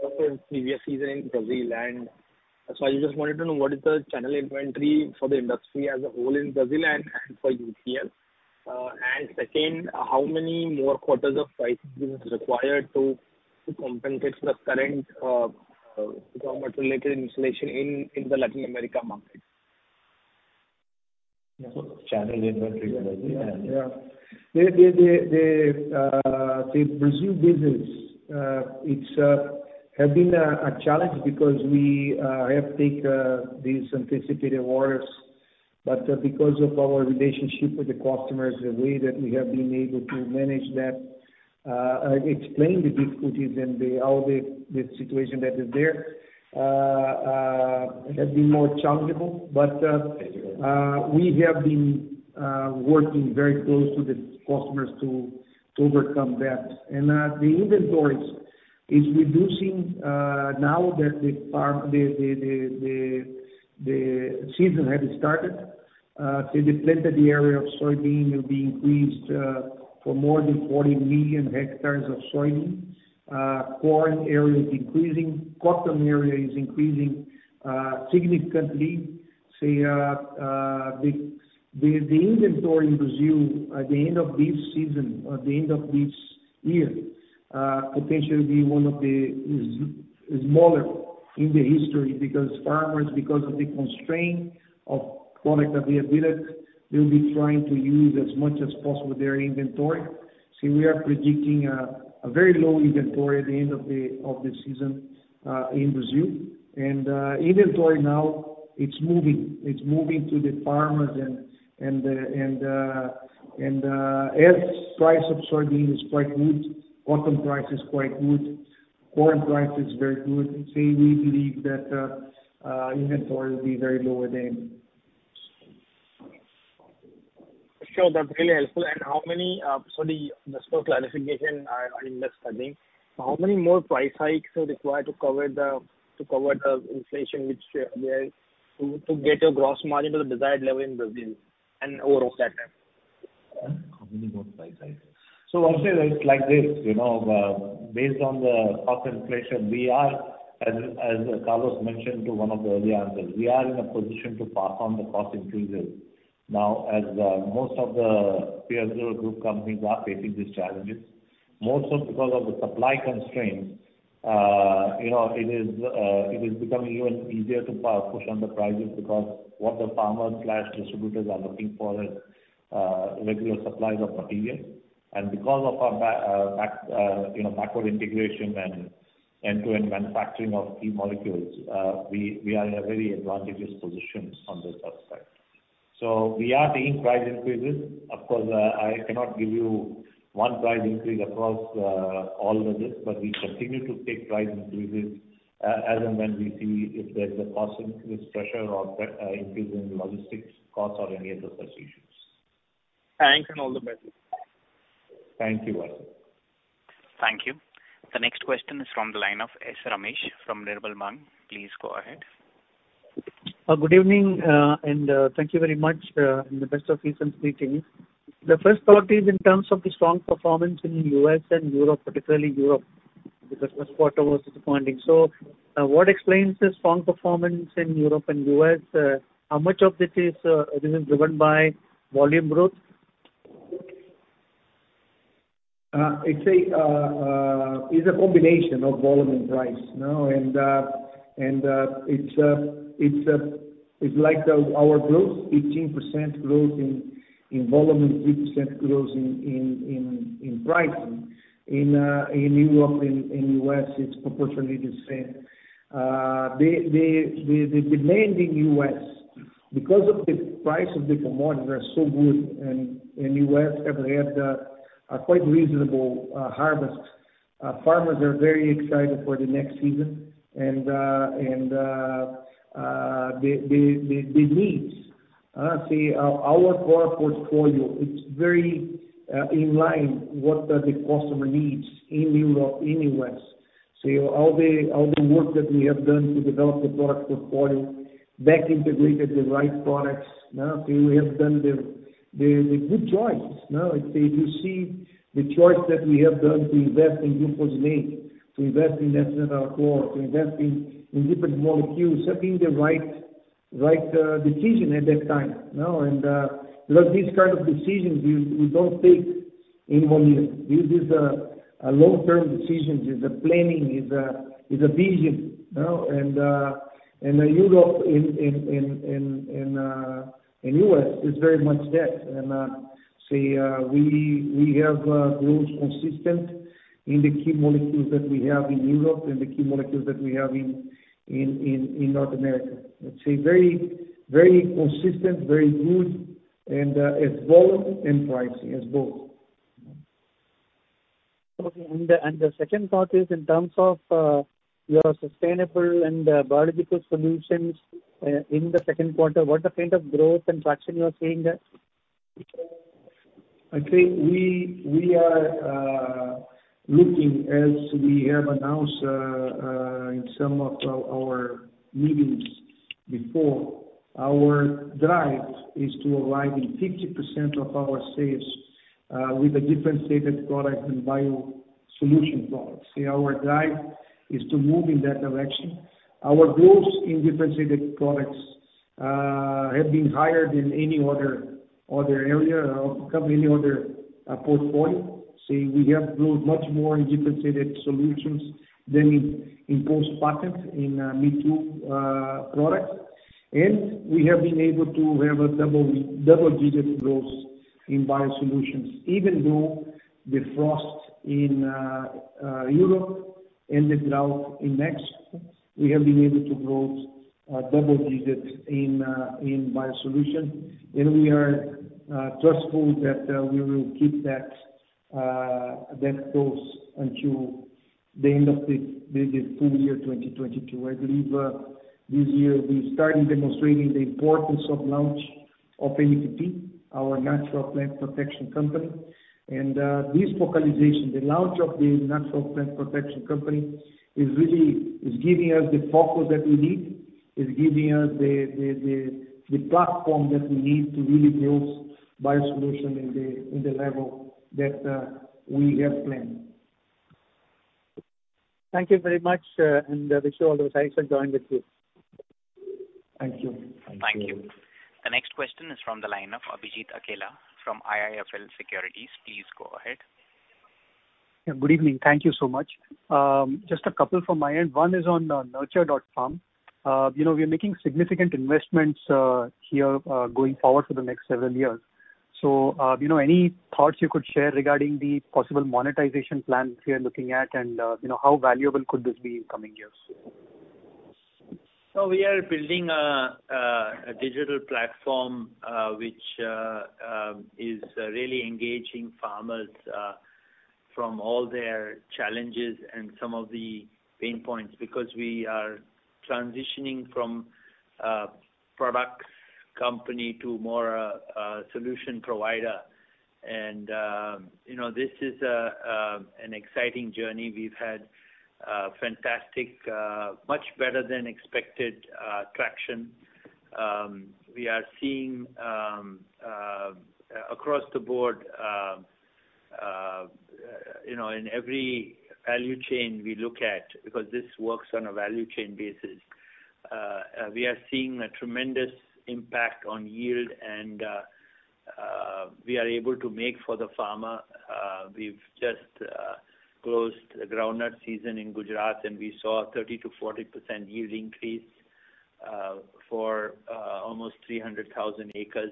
tougher previous season in Brazil. I just wanted to know what is the channel inventory for the industry as a whole in Brazil and for UPL. Second, how many more quarters of price increase is required to compensate for the current government related inflation in the Latin America market? Channel inventory in Brazil and Yeah. The Brazil business has been a challenge because we have taken these anticipated orders. Because of our relationship with the customers, the way that we have been able to manage that, explain the difficulties and all the situation that is there, have been more challenging. We have been working very close with the customers to overcome that. The inventories is reducing now that the season has started. The planted area of soybean will be increased for more than 40 million hectares of soybean. Corn area is increasing. Cotton area is increasing significantly. The inventory in Brazil at the end of this season or the end of this year potentially be one of the smallest in history because farmers, because of the constraint of product availability, will be trying to use as much as possible their inventory. We are predicting a very low inventory at the end of the season in Brazil. Inventory now is moving to the farmers and as the price of soybean is quite good, cotton price is quite good, corn price is very good. We believe that inventory will be very low at the end. Sure. That's really helpful. Sorry, just for clarification, I am just studying. How many more price hikes are required to cover the inflation which there is to get your gross margin to the desired level in Brazil and overall that time? How many more price hikes? I'll say it's like this. You know, based on the cost inflation, we are, as Carlos mentioned in one of the early answers, in a position to pass on the cost increases. Now, as most of the peer group companies are facing these challenges, more so because of the supply constraints, you know, it is becoming even easier to push on the prices because what the farmers and distributors are looking for is regular supplies of material. Because of our backward integration and end-to-end manufacturing of key molecules, we are in a very advantageous position on this aspect. We are taking price increases. Of course, I cannot give you one price increase across all the business, but we continue to take price increases as and when we see if there's a cost increase pressure or increase in logistics costs or any of those such issues. Thanks and all the best. Thank you, Varshit. Thank you. The next question is from the line of S. Ramesh from Nirmal Bang. Please go ahead. Good evening, and thank you very much, and the best of recent meetings. The first thought is in terms of the strong performance in U.S. and Europe, particularly Europe, because first quarter was disappointing. What explains the strong performance in Europe and U.S.? How much of this is driven by volume growth? I'd say it's a combination of volume and price, you know. It's like our growth, 18% growth in volume and 8% growth in pricing. In Europe, in U.S. it's proportionally the same. The demand in U.S. because of the price of the commodity are so good and U.S. have had a quite reasonable harvest, farmers are very excited for the next season. The needs, say our core portfolio, it's very in line what the customer needs in Europe, in U.S. All the work that we have done to develop the product portfolio, back integrated the right products. Now, we have done the good choice. Now if they do see the choice that we have done to invest in glufosinate, to invest in esfenvalerate, to invest in different molecules have been the right decision at that time, you know. Like these kind of decisions we don't take in one year. This is a long-term decisions. It's a planning, is a vision, you know. In Europe in U.S. it's very much that. We have growth consistent in the key molecules that we have in Europe and the key molecules that we have in North America. Let's say very consistent, very good and as volume and pricing as both. Okay. The second part is in terms of your sustainable and biological solutions in the second quarter, what kind of growth and traction you are seeing there? I think we are looking as we have announced in some of our meetings before. Our drive is to align 50% of our sales with a differentiated product and BioSolutions products. Our drive is to move in that direction. Our growth in differentiated products have been higher than any other area or portfolio. We have grown much more in differentiated solutions than in post-patent me-too products. We have been able to have a double-digit growth in BioSolutions, even though the frost in Europe. The growth in Mexico, we have been able to grow double-digit in BioSolutions, and we are confident that we will keep that course until the end of the full year 2022. I believe, this year we started demonstrating the importance of launch of NPP, our Natural Plant Protection company. This localization, the launch of the Natural Plant Protection company is really giving us the focus that we need, giving us the platform that we need to really build BioSolutions in the level that we have planned. Thank you very much, and wish you all the best and join with you. Thank you. Thank you. The next question is from the line of Abhijit Akella from IIFL Securities. Please go ahead. Yeah. Good evening. Thank you so much. Just a couple from my end. One is on nurture.farm. You know, we are making significant investments here going forward for the next several years. You know, any thoughts you could share regarding the possible monetization plans we are looking at and you know, how valuable could this be in coming years? We are building a digital platform which is really engaging farmers from all their challenges and some of the pain points. Because we are transitioning from a products company to more a solution provider. You know, this is an exciting journey. We've had fantastic, much better than expected, traction. We are seeing across the board, you know, in every value chain we look at, because this works on a value chain basis. We are seeing a tremendous impact on yield, and we are able to make for the farmer. We've just closed the groundnut season in Gujarat, and we saw 30%-40% yield increase for almost 300,000 acres.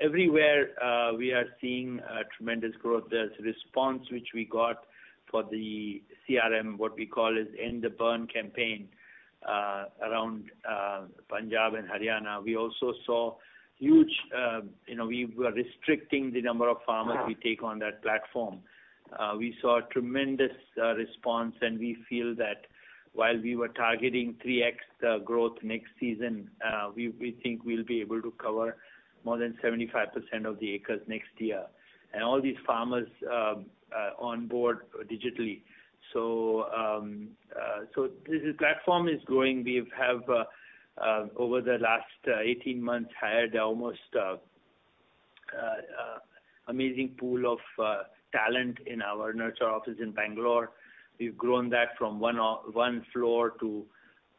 Everywhere, we are seeing a tremendous growth. The response which we got for the CRM, what we call as #EndTheBurn campaign, around Punjab and Haryana. We also saw huge. You know, we were restricting the number of farmers we take on that platform. We saw a tremendous response, and we feel that while we were targeting 3x growth next season, we think we'll be able to cover more than 75% of the acres next year, all these farmers on board digitally. This platform is growing. We've over the last 18 months hired almost amazing pool of talent in our nurture.farm office in Bangalore. We've grown that from one floor to,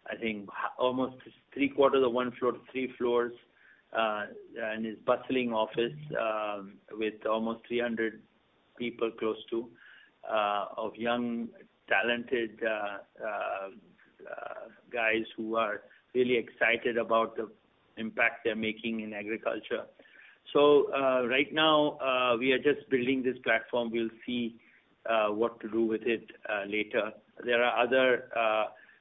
I think, almost three-quarters of one floor to three floors, and it's a bustling office with almost 300 people close to all of young, talented guys who are really excited about the impact they're making in agriculture. Right now, we are just building this platform. We'll see what to do with it later. There are other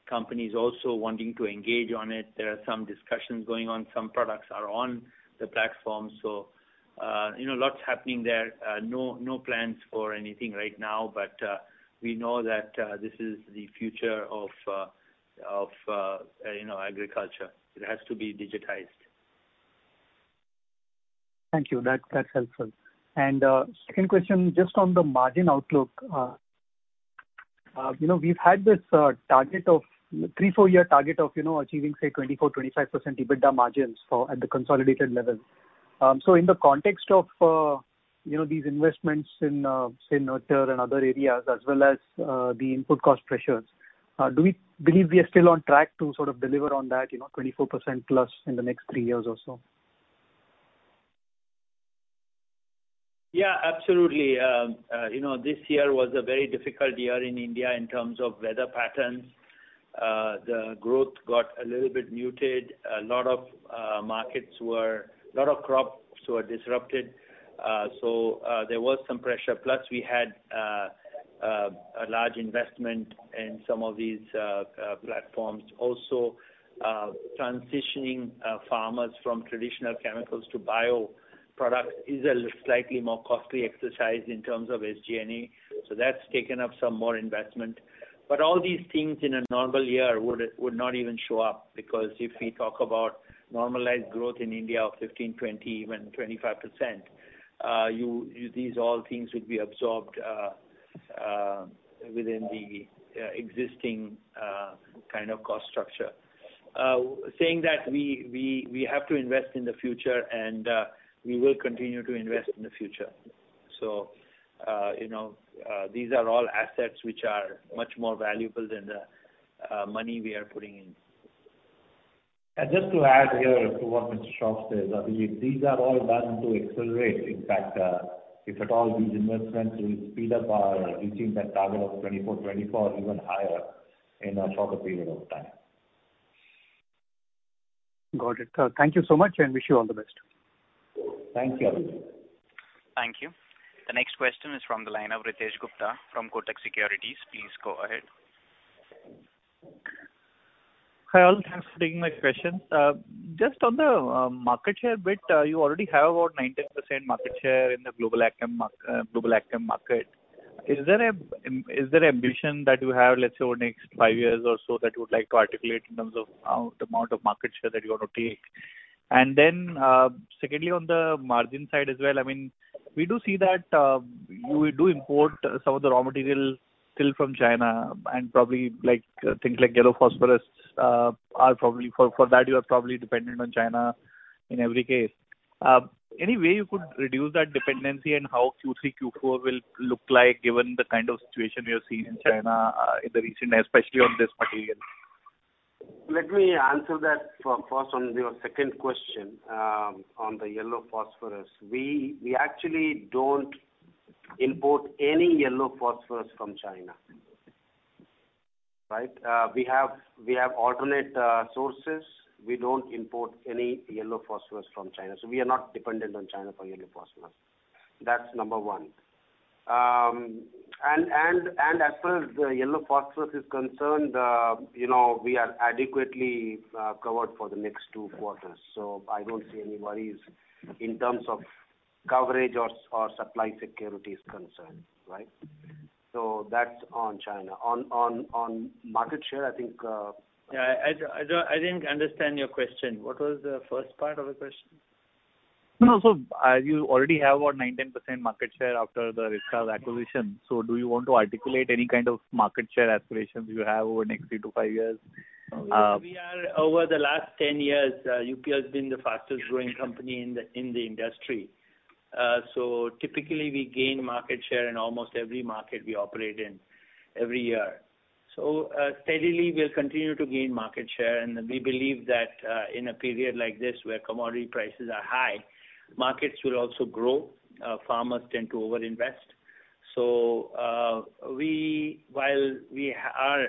companies also wanting to engage on it. There are some discussions going on. Some products are on the platform. You know, lots happening there. No plans for anything right now, but we know that this is the future of, you know, agriculture. It has to be digitized. Thank you. That's helpful. Second question, just on the margin outlook. You know, we've had this target of a three- to four-year target of, you know, achieving, say, 24-25% EBITDA margins at the consolidated level. In the context of, you know, these investments in, say, Nurture and other areas, as well as the input cost pressures, do we believe we are still on track to sort of deliver on that, you know, 24%+ in the next three years or so? Yeah, absolutely. You know, this year was a very difficult year in India in terms of weather patterns. The growth got a little bit muted. A lot of crops were disrupted, so there was some pressure. Plus we had a large investment in some of these platforms. Also, transitioning farmers from traditional chemicals to bioproduct is a slightly more costly exercise in terms of SG&A. So that's taken up some more investment. But all these things in a normal year would not even show up, because if we talk about normalized growth in India of 15, 20, even 25%, these all things would be absorbed within the existing kind of cost structure. Saying that, we have to invest in the future and we will continue to invest in the future. You know, these are all assets which are much more valuable than the money we are putting in. Just to add here to what Mr. Shroff says, I believe these are all done to accelerate. In fact, if at all, these investments will speed up our reaching that target of 24 or even higher in a shorter period of time. Got it. Thank you so much and wish you all the best. Thank you. Thank you. The next question is from the line of Ritesh Gupta from Kotak Securities. Please go ahead. Hi, all. Thanks for taking my question. Just on the market share bit, you already have about 19% market share in the global agrochemical market. Is there ambition that you have, let's say, over next five years or so that you would like to articulate in terms of the amount of market share that you want to take? Secondly, on the margin side as well, I mean, we do see that you do import some of the raw material still from China and probably things like yellow phosphorus are probably for that you are probably dependent on China in every case. Any way you could reduce that dependency and how Q3, Q4 will look like given the kind of situation you're seeing in China, in the recent, especially on this material? Let me answer that first on your second question, on the yellow phosphorus. We actually don't import any yellow phosphorus from China. Right? We have alternate sources. We don't import any yellow phosphorus from China, so we are not dependent on China for yellow phosphorus. That's number one. And as far as the yellow phosphorus is concerned, you know, we are adequately covered for the next two quarters. So I don't see any worries in terms of coverage or supply security is concerned, right? So that's on China. On market share, I think. Yeah, I didn't understand your question. What was the first part of the question? No, you already have about 19% market share after the Arysta acquisition. Do you want to articulate any kind of market share aspirations you have over next three to five years? Over the last 10 years, UPL has been the fastest growing company in the industry. Typically we gain market share in almost every market we operate in every year. Steadily we'll continue to gain market share, and we believe that in a period like this where commodity prices are high, markets will also grow. Farmers tend to overinvest. While we are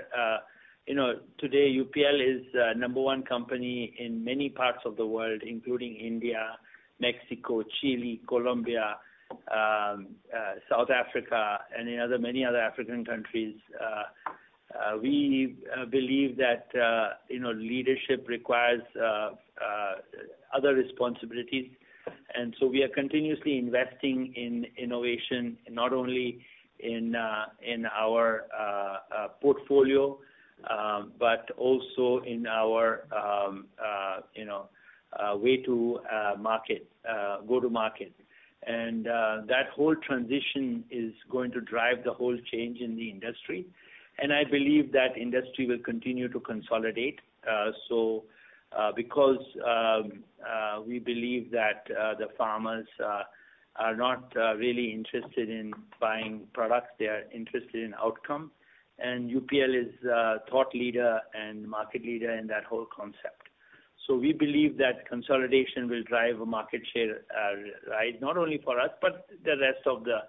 today UPL is the number one company in many parts of the world, including India, Mexico, Chile, Colombia, South Africa, and in many other African countries. We believe that leadership requires other responsibilities. We are continuously investing in innovation, not only in our portfolio, but also in our, you know, way to market go to market. That whole transition is going to drive the whole change in the industry. I believe that industry will continue to consolidate so because we believe that the farmers are not really interested in buying products, they are interested in outcome. UPL is a thought leader and market leader in that whole concept. We believe that consolidation will drive a market share, right, not only for us, but the rest of the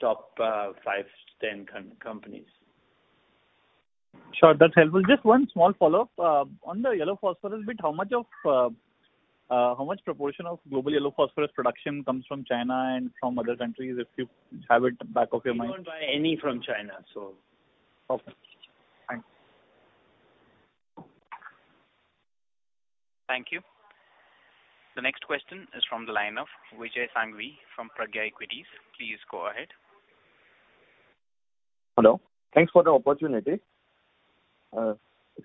top five, 10 companies. Sure. That's helpful. Just one small follow-up. On the yellow phosphorus bit, how much proportion of global yellow phosphorus production comes from China and from other countries, if you have it at the back of your mind? We don't buy any from China, so. Okay. Thanks. Thank you. The next question is from the line of Vijay Sanghvi from Pragya Equities. Please go ahead. Hello. Thanks for the opportunity.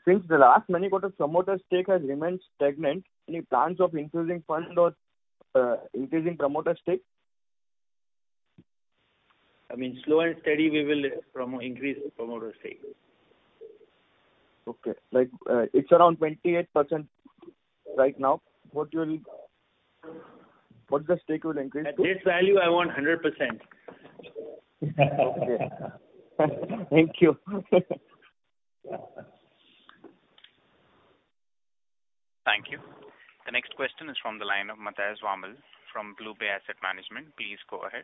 Since the last many quarters, promoter stake has remained stagnant. Any plans of increasing fund or increasing promoter stake? I mean, slow and steady, we will increase promoter stake. Okay. Like, it's around 28% right now. What the stake will increase to? At this value, I want 100%. Okay. Thank you. Thank you. The next question is from the line of Matthias Wamel from BlueBay Asset Management. Please go ahead.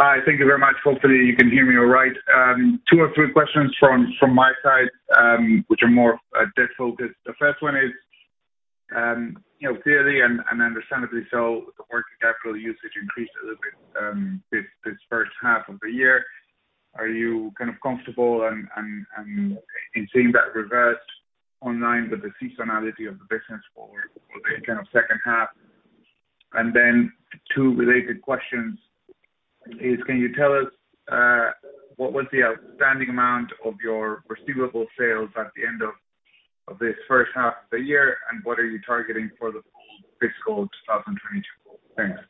Hi. Thank you very much. Hopefully you can hear me all right. Two or three questions from my side, which are more debt focused. The first one is, you know, clearly and understandably so, the working capital usage increased a little bit, this first half of the year. Are you kind of comfortable and in seeing that reverse in line with the seasonality of the business for the kind of second half? Then two related questions is, can you tell us, what was the outstanding amount of your receivable sales at the end of this first half of the year, and what are you targeting for the full fiscal 2022? Thanks.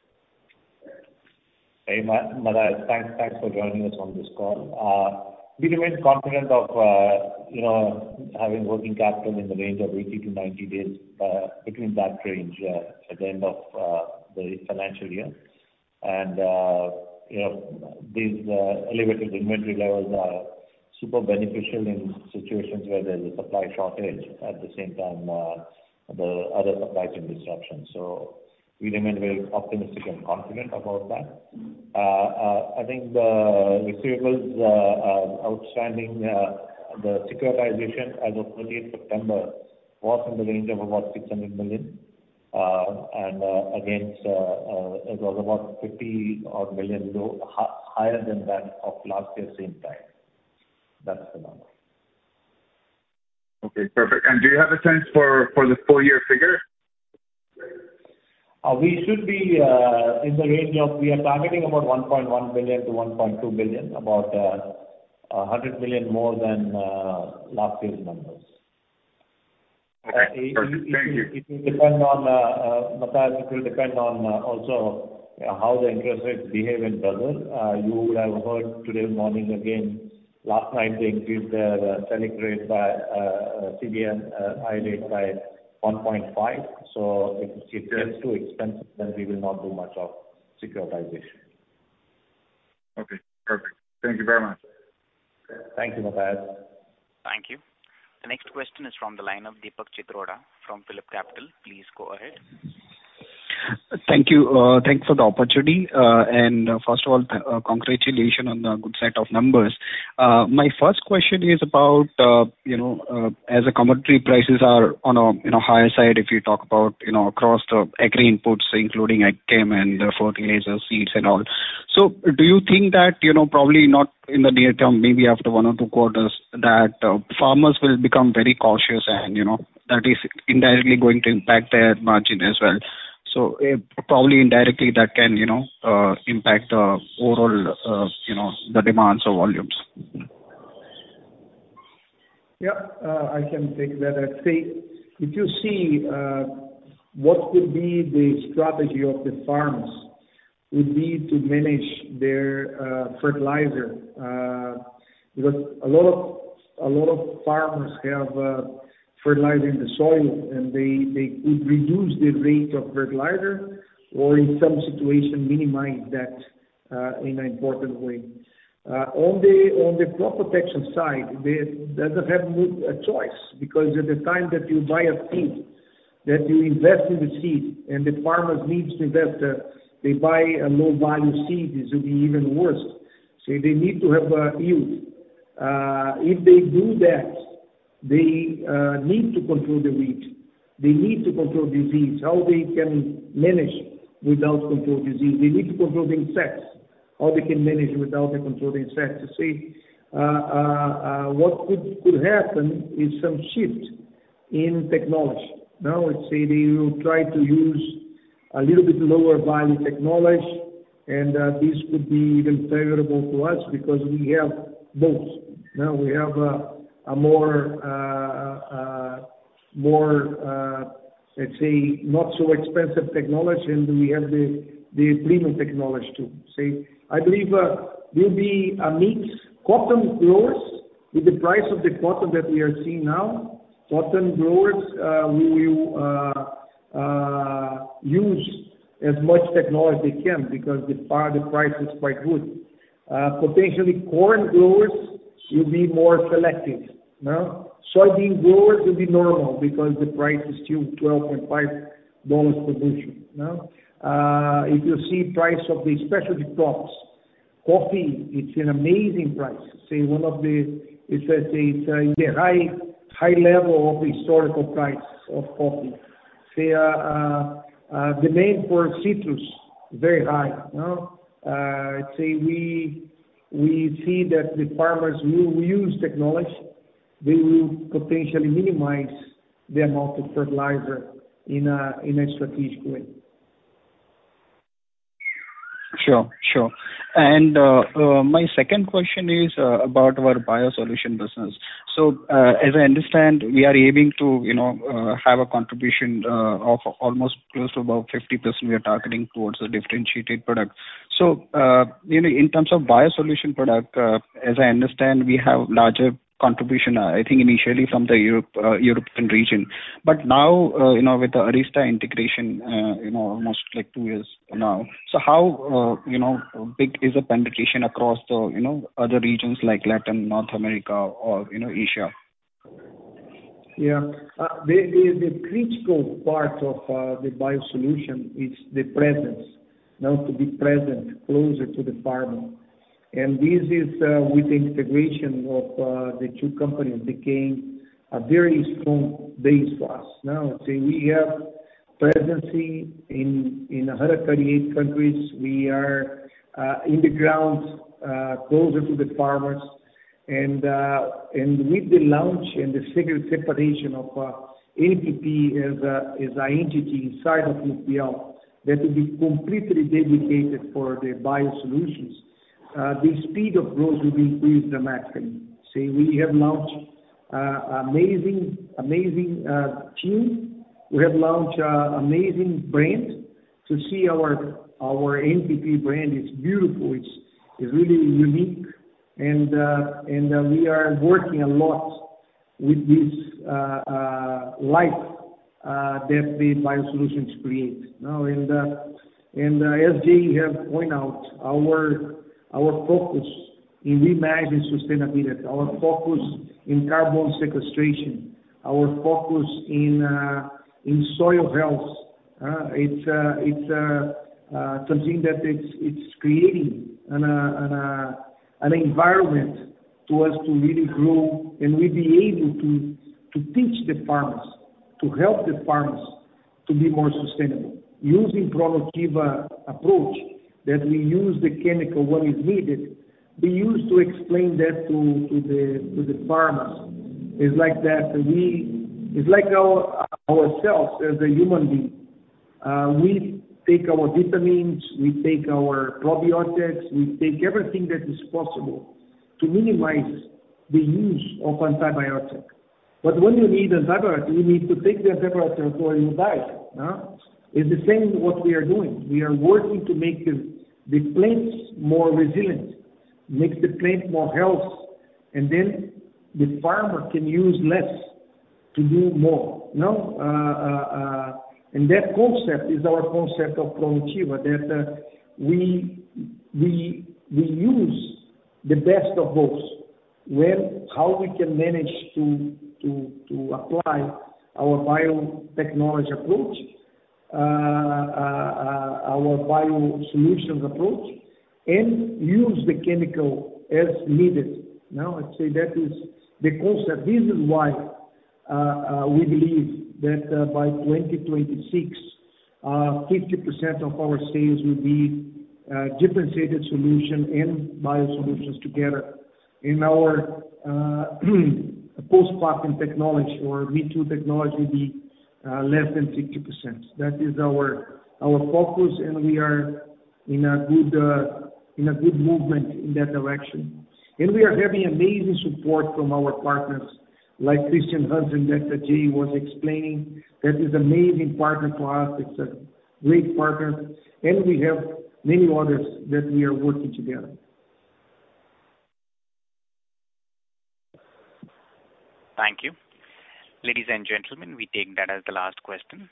Hey, Matthias, thanks for joining us on this call. We remain confident of, you know, having working capital in the range of 80-90 days, between that range, at the end of the financial year. You know, these elevated inventory levels are super beneficial in situations where there's a supply shortage, at the same time, the other supply chain disruptions. We remain very optimistic and confident about that. I think the receivables outstanding, the securitization as of 30 September was in the range of about $600 million. It was about $50-odd million higher than that of last year same time. That's the number. Okay, perfect. Do you have a sense for the full year figure? We should be in the range of we are targeting about $1.1 billion-$1.2 billion, about $100 million more than last year's numbers. Okay. Perfect. Thank you. It will depend on Matthias also how the interest rates behave in Brazil. You would have heard today morning again, last night they increased their SELIC rate by BCB SELIC rate by 1.5. If it gets too expensive, we will not do much of securitization. Okay, perfect. Thank you very much. Thank you, Matthias. Thank you. The next question is from the line of Deepak Chitroda from PhillipCapital. Please go ahead. Thank you. Thanks for the opportunity. First of all, congratulations on the good set of numbers. My first question is about, you know, as a commentary, prices are on a, you know, higher side, if you talk about, you know, across the agri inputs, including AgChem and fertilizers, seeds and all. Do you think that, you know, probably not in the near term, maybe after 1 or 2 quarters, that farmers will become very cautious and, you know, that is indirectly going to impact their margin as well? Probably indirectly that can, you know, impact overall, you know, the demands or volumes. Yeah. I can take that. I'd say, if you see, what will be the strategy of the farmers would be to manage their fertilizer. Because a lot of farmers have fertilizer in the soil, and they could reduce the rate of fertilizer or in some situation minimize that in an important way. On the crop protection side, they doesn't have much a choice because at the time that you buy a seed, that you invest in the seed and the farmers needs to invest, they buy a low value seed, this will be even worse. They need to have yield. If they do that, they need to control the weed, they need to control disease. How they can manage without control disease? They need to control insects. How can they manage without the control insects? You see, what could happen is some shift in technology. Now, let's say they will try to use a little bit lower value technology, and this could be even favorable to us because we have both. Now, we have a more, let's say not so expensive technology, and we have the premium technology too. See, I believe it will be a mix. Cotton growers, with the price of the cotton that we are seeing now, will use as much technology as they can because the fact the price is quite good. Potentially corn growers will be more selective. No? Soybean growers will be normal because the price is still $12.5 per bushel. No? If you see price of the specialty crops, coffee, it's an amazing price. Say one of the it's at a, it's in the high, high level of historical price of coffee. Say, demand for citrus, very high. No? Let's say we see that the farmers will use technology. They will potentially minimize the amount of fertilizer in a strategic way. Sure. My second question is about our BioSolutions business. As I understand, we are aiming to, you know, have a contribution of almost close to about 50% we are targeting towards the differentiated products. In terms of BioSolutions product, as I understand, we have larger contribution, I think initially from the European region. Now, with the Arysta integration, almost like two years now. How big is the penetration across the other regions like Latin, North America or Asia? Yeah. The critical part of the BioSolutions is the presence. Now to be present closer to the farmer. This is with the integration of the two companies became a very strong base for us. Now we have presence in 138 countries. We are on the ground closer to the farmers. With the launch and the separation of NPP as an entity inside of UPL that will be completely dedicated for the BioSolutions, the speed of growth will increase dramatically. We have launched amazing team. We have launched amazing brand. The our NPP brand is beautiful. It's really unique and we are working a lot with this life that the BioSolutions create. As Jai has pointed out, our focus in reimagining sustainability, our focus in carbon sequestration, our focus in soil health, it's something that it's creating an environment for us to really grow and we be able to teach the farmers, to help the farmers to be more sustainable using ProNutiva approach that we use the chemical when is needed. We used to explain that to the farmers. It's like that we. It's like ourselves as a human being, we take our vitamins, we take our probiotics, we take everything that is possible to minimize the use of antibiotic. When you need antibiotic, you need to take the antibiotic for your diet. No? It's the same what we are doing. We are working to make the plants more resilient, make the plant more healthy, and then the farmer can use less to do more. That concept is our concept of ProNutiva, that we use the best of both, how we can manage to apply our biotechnology approach, our BioSolutions approach, and use the chemical as needed. Now, I'd say that is the concept. This is why we believe that by 2026, 50% of our sales will be differentiated solution and BioSolutions together. Our post-cropping technology or V2 technology be less than 50%. That is our focus, and we are in a good movement in that direction. We are having amazing support from our partners like Chr. Hansen. Hansen that Sanjay was explaining. That is amazing partner to us. It's a great partner, and we have many others that we are working together. Thank you. Ladies and gentlemen, we take that as the last question.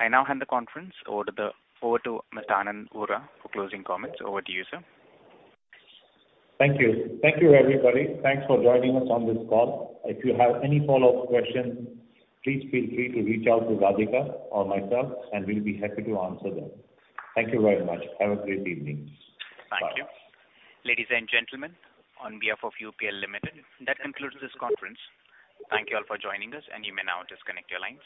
I now hand the conference over to Mr. Anand Vora for closing comments. Over to you, sir. Thank you. Thank you, everybody. Thanks for joining us on this call. If you have any follow-up questions, please feel free to reach out to Radhika or myself, and we'll be happy to answer them. Thank you very much. Have a great evening. Bye. Thank you. Ladies and gentlemen, on behalf of UPL Limited, that concludes this conference. Thank you all for joining us, and you may now disconnect your lines.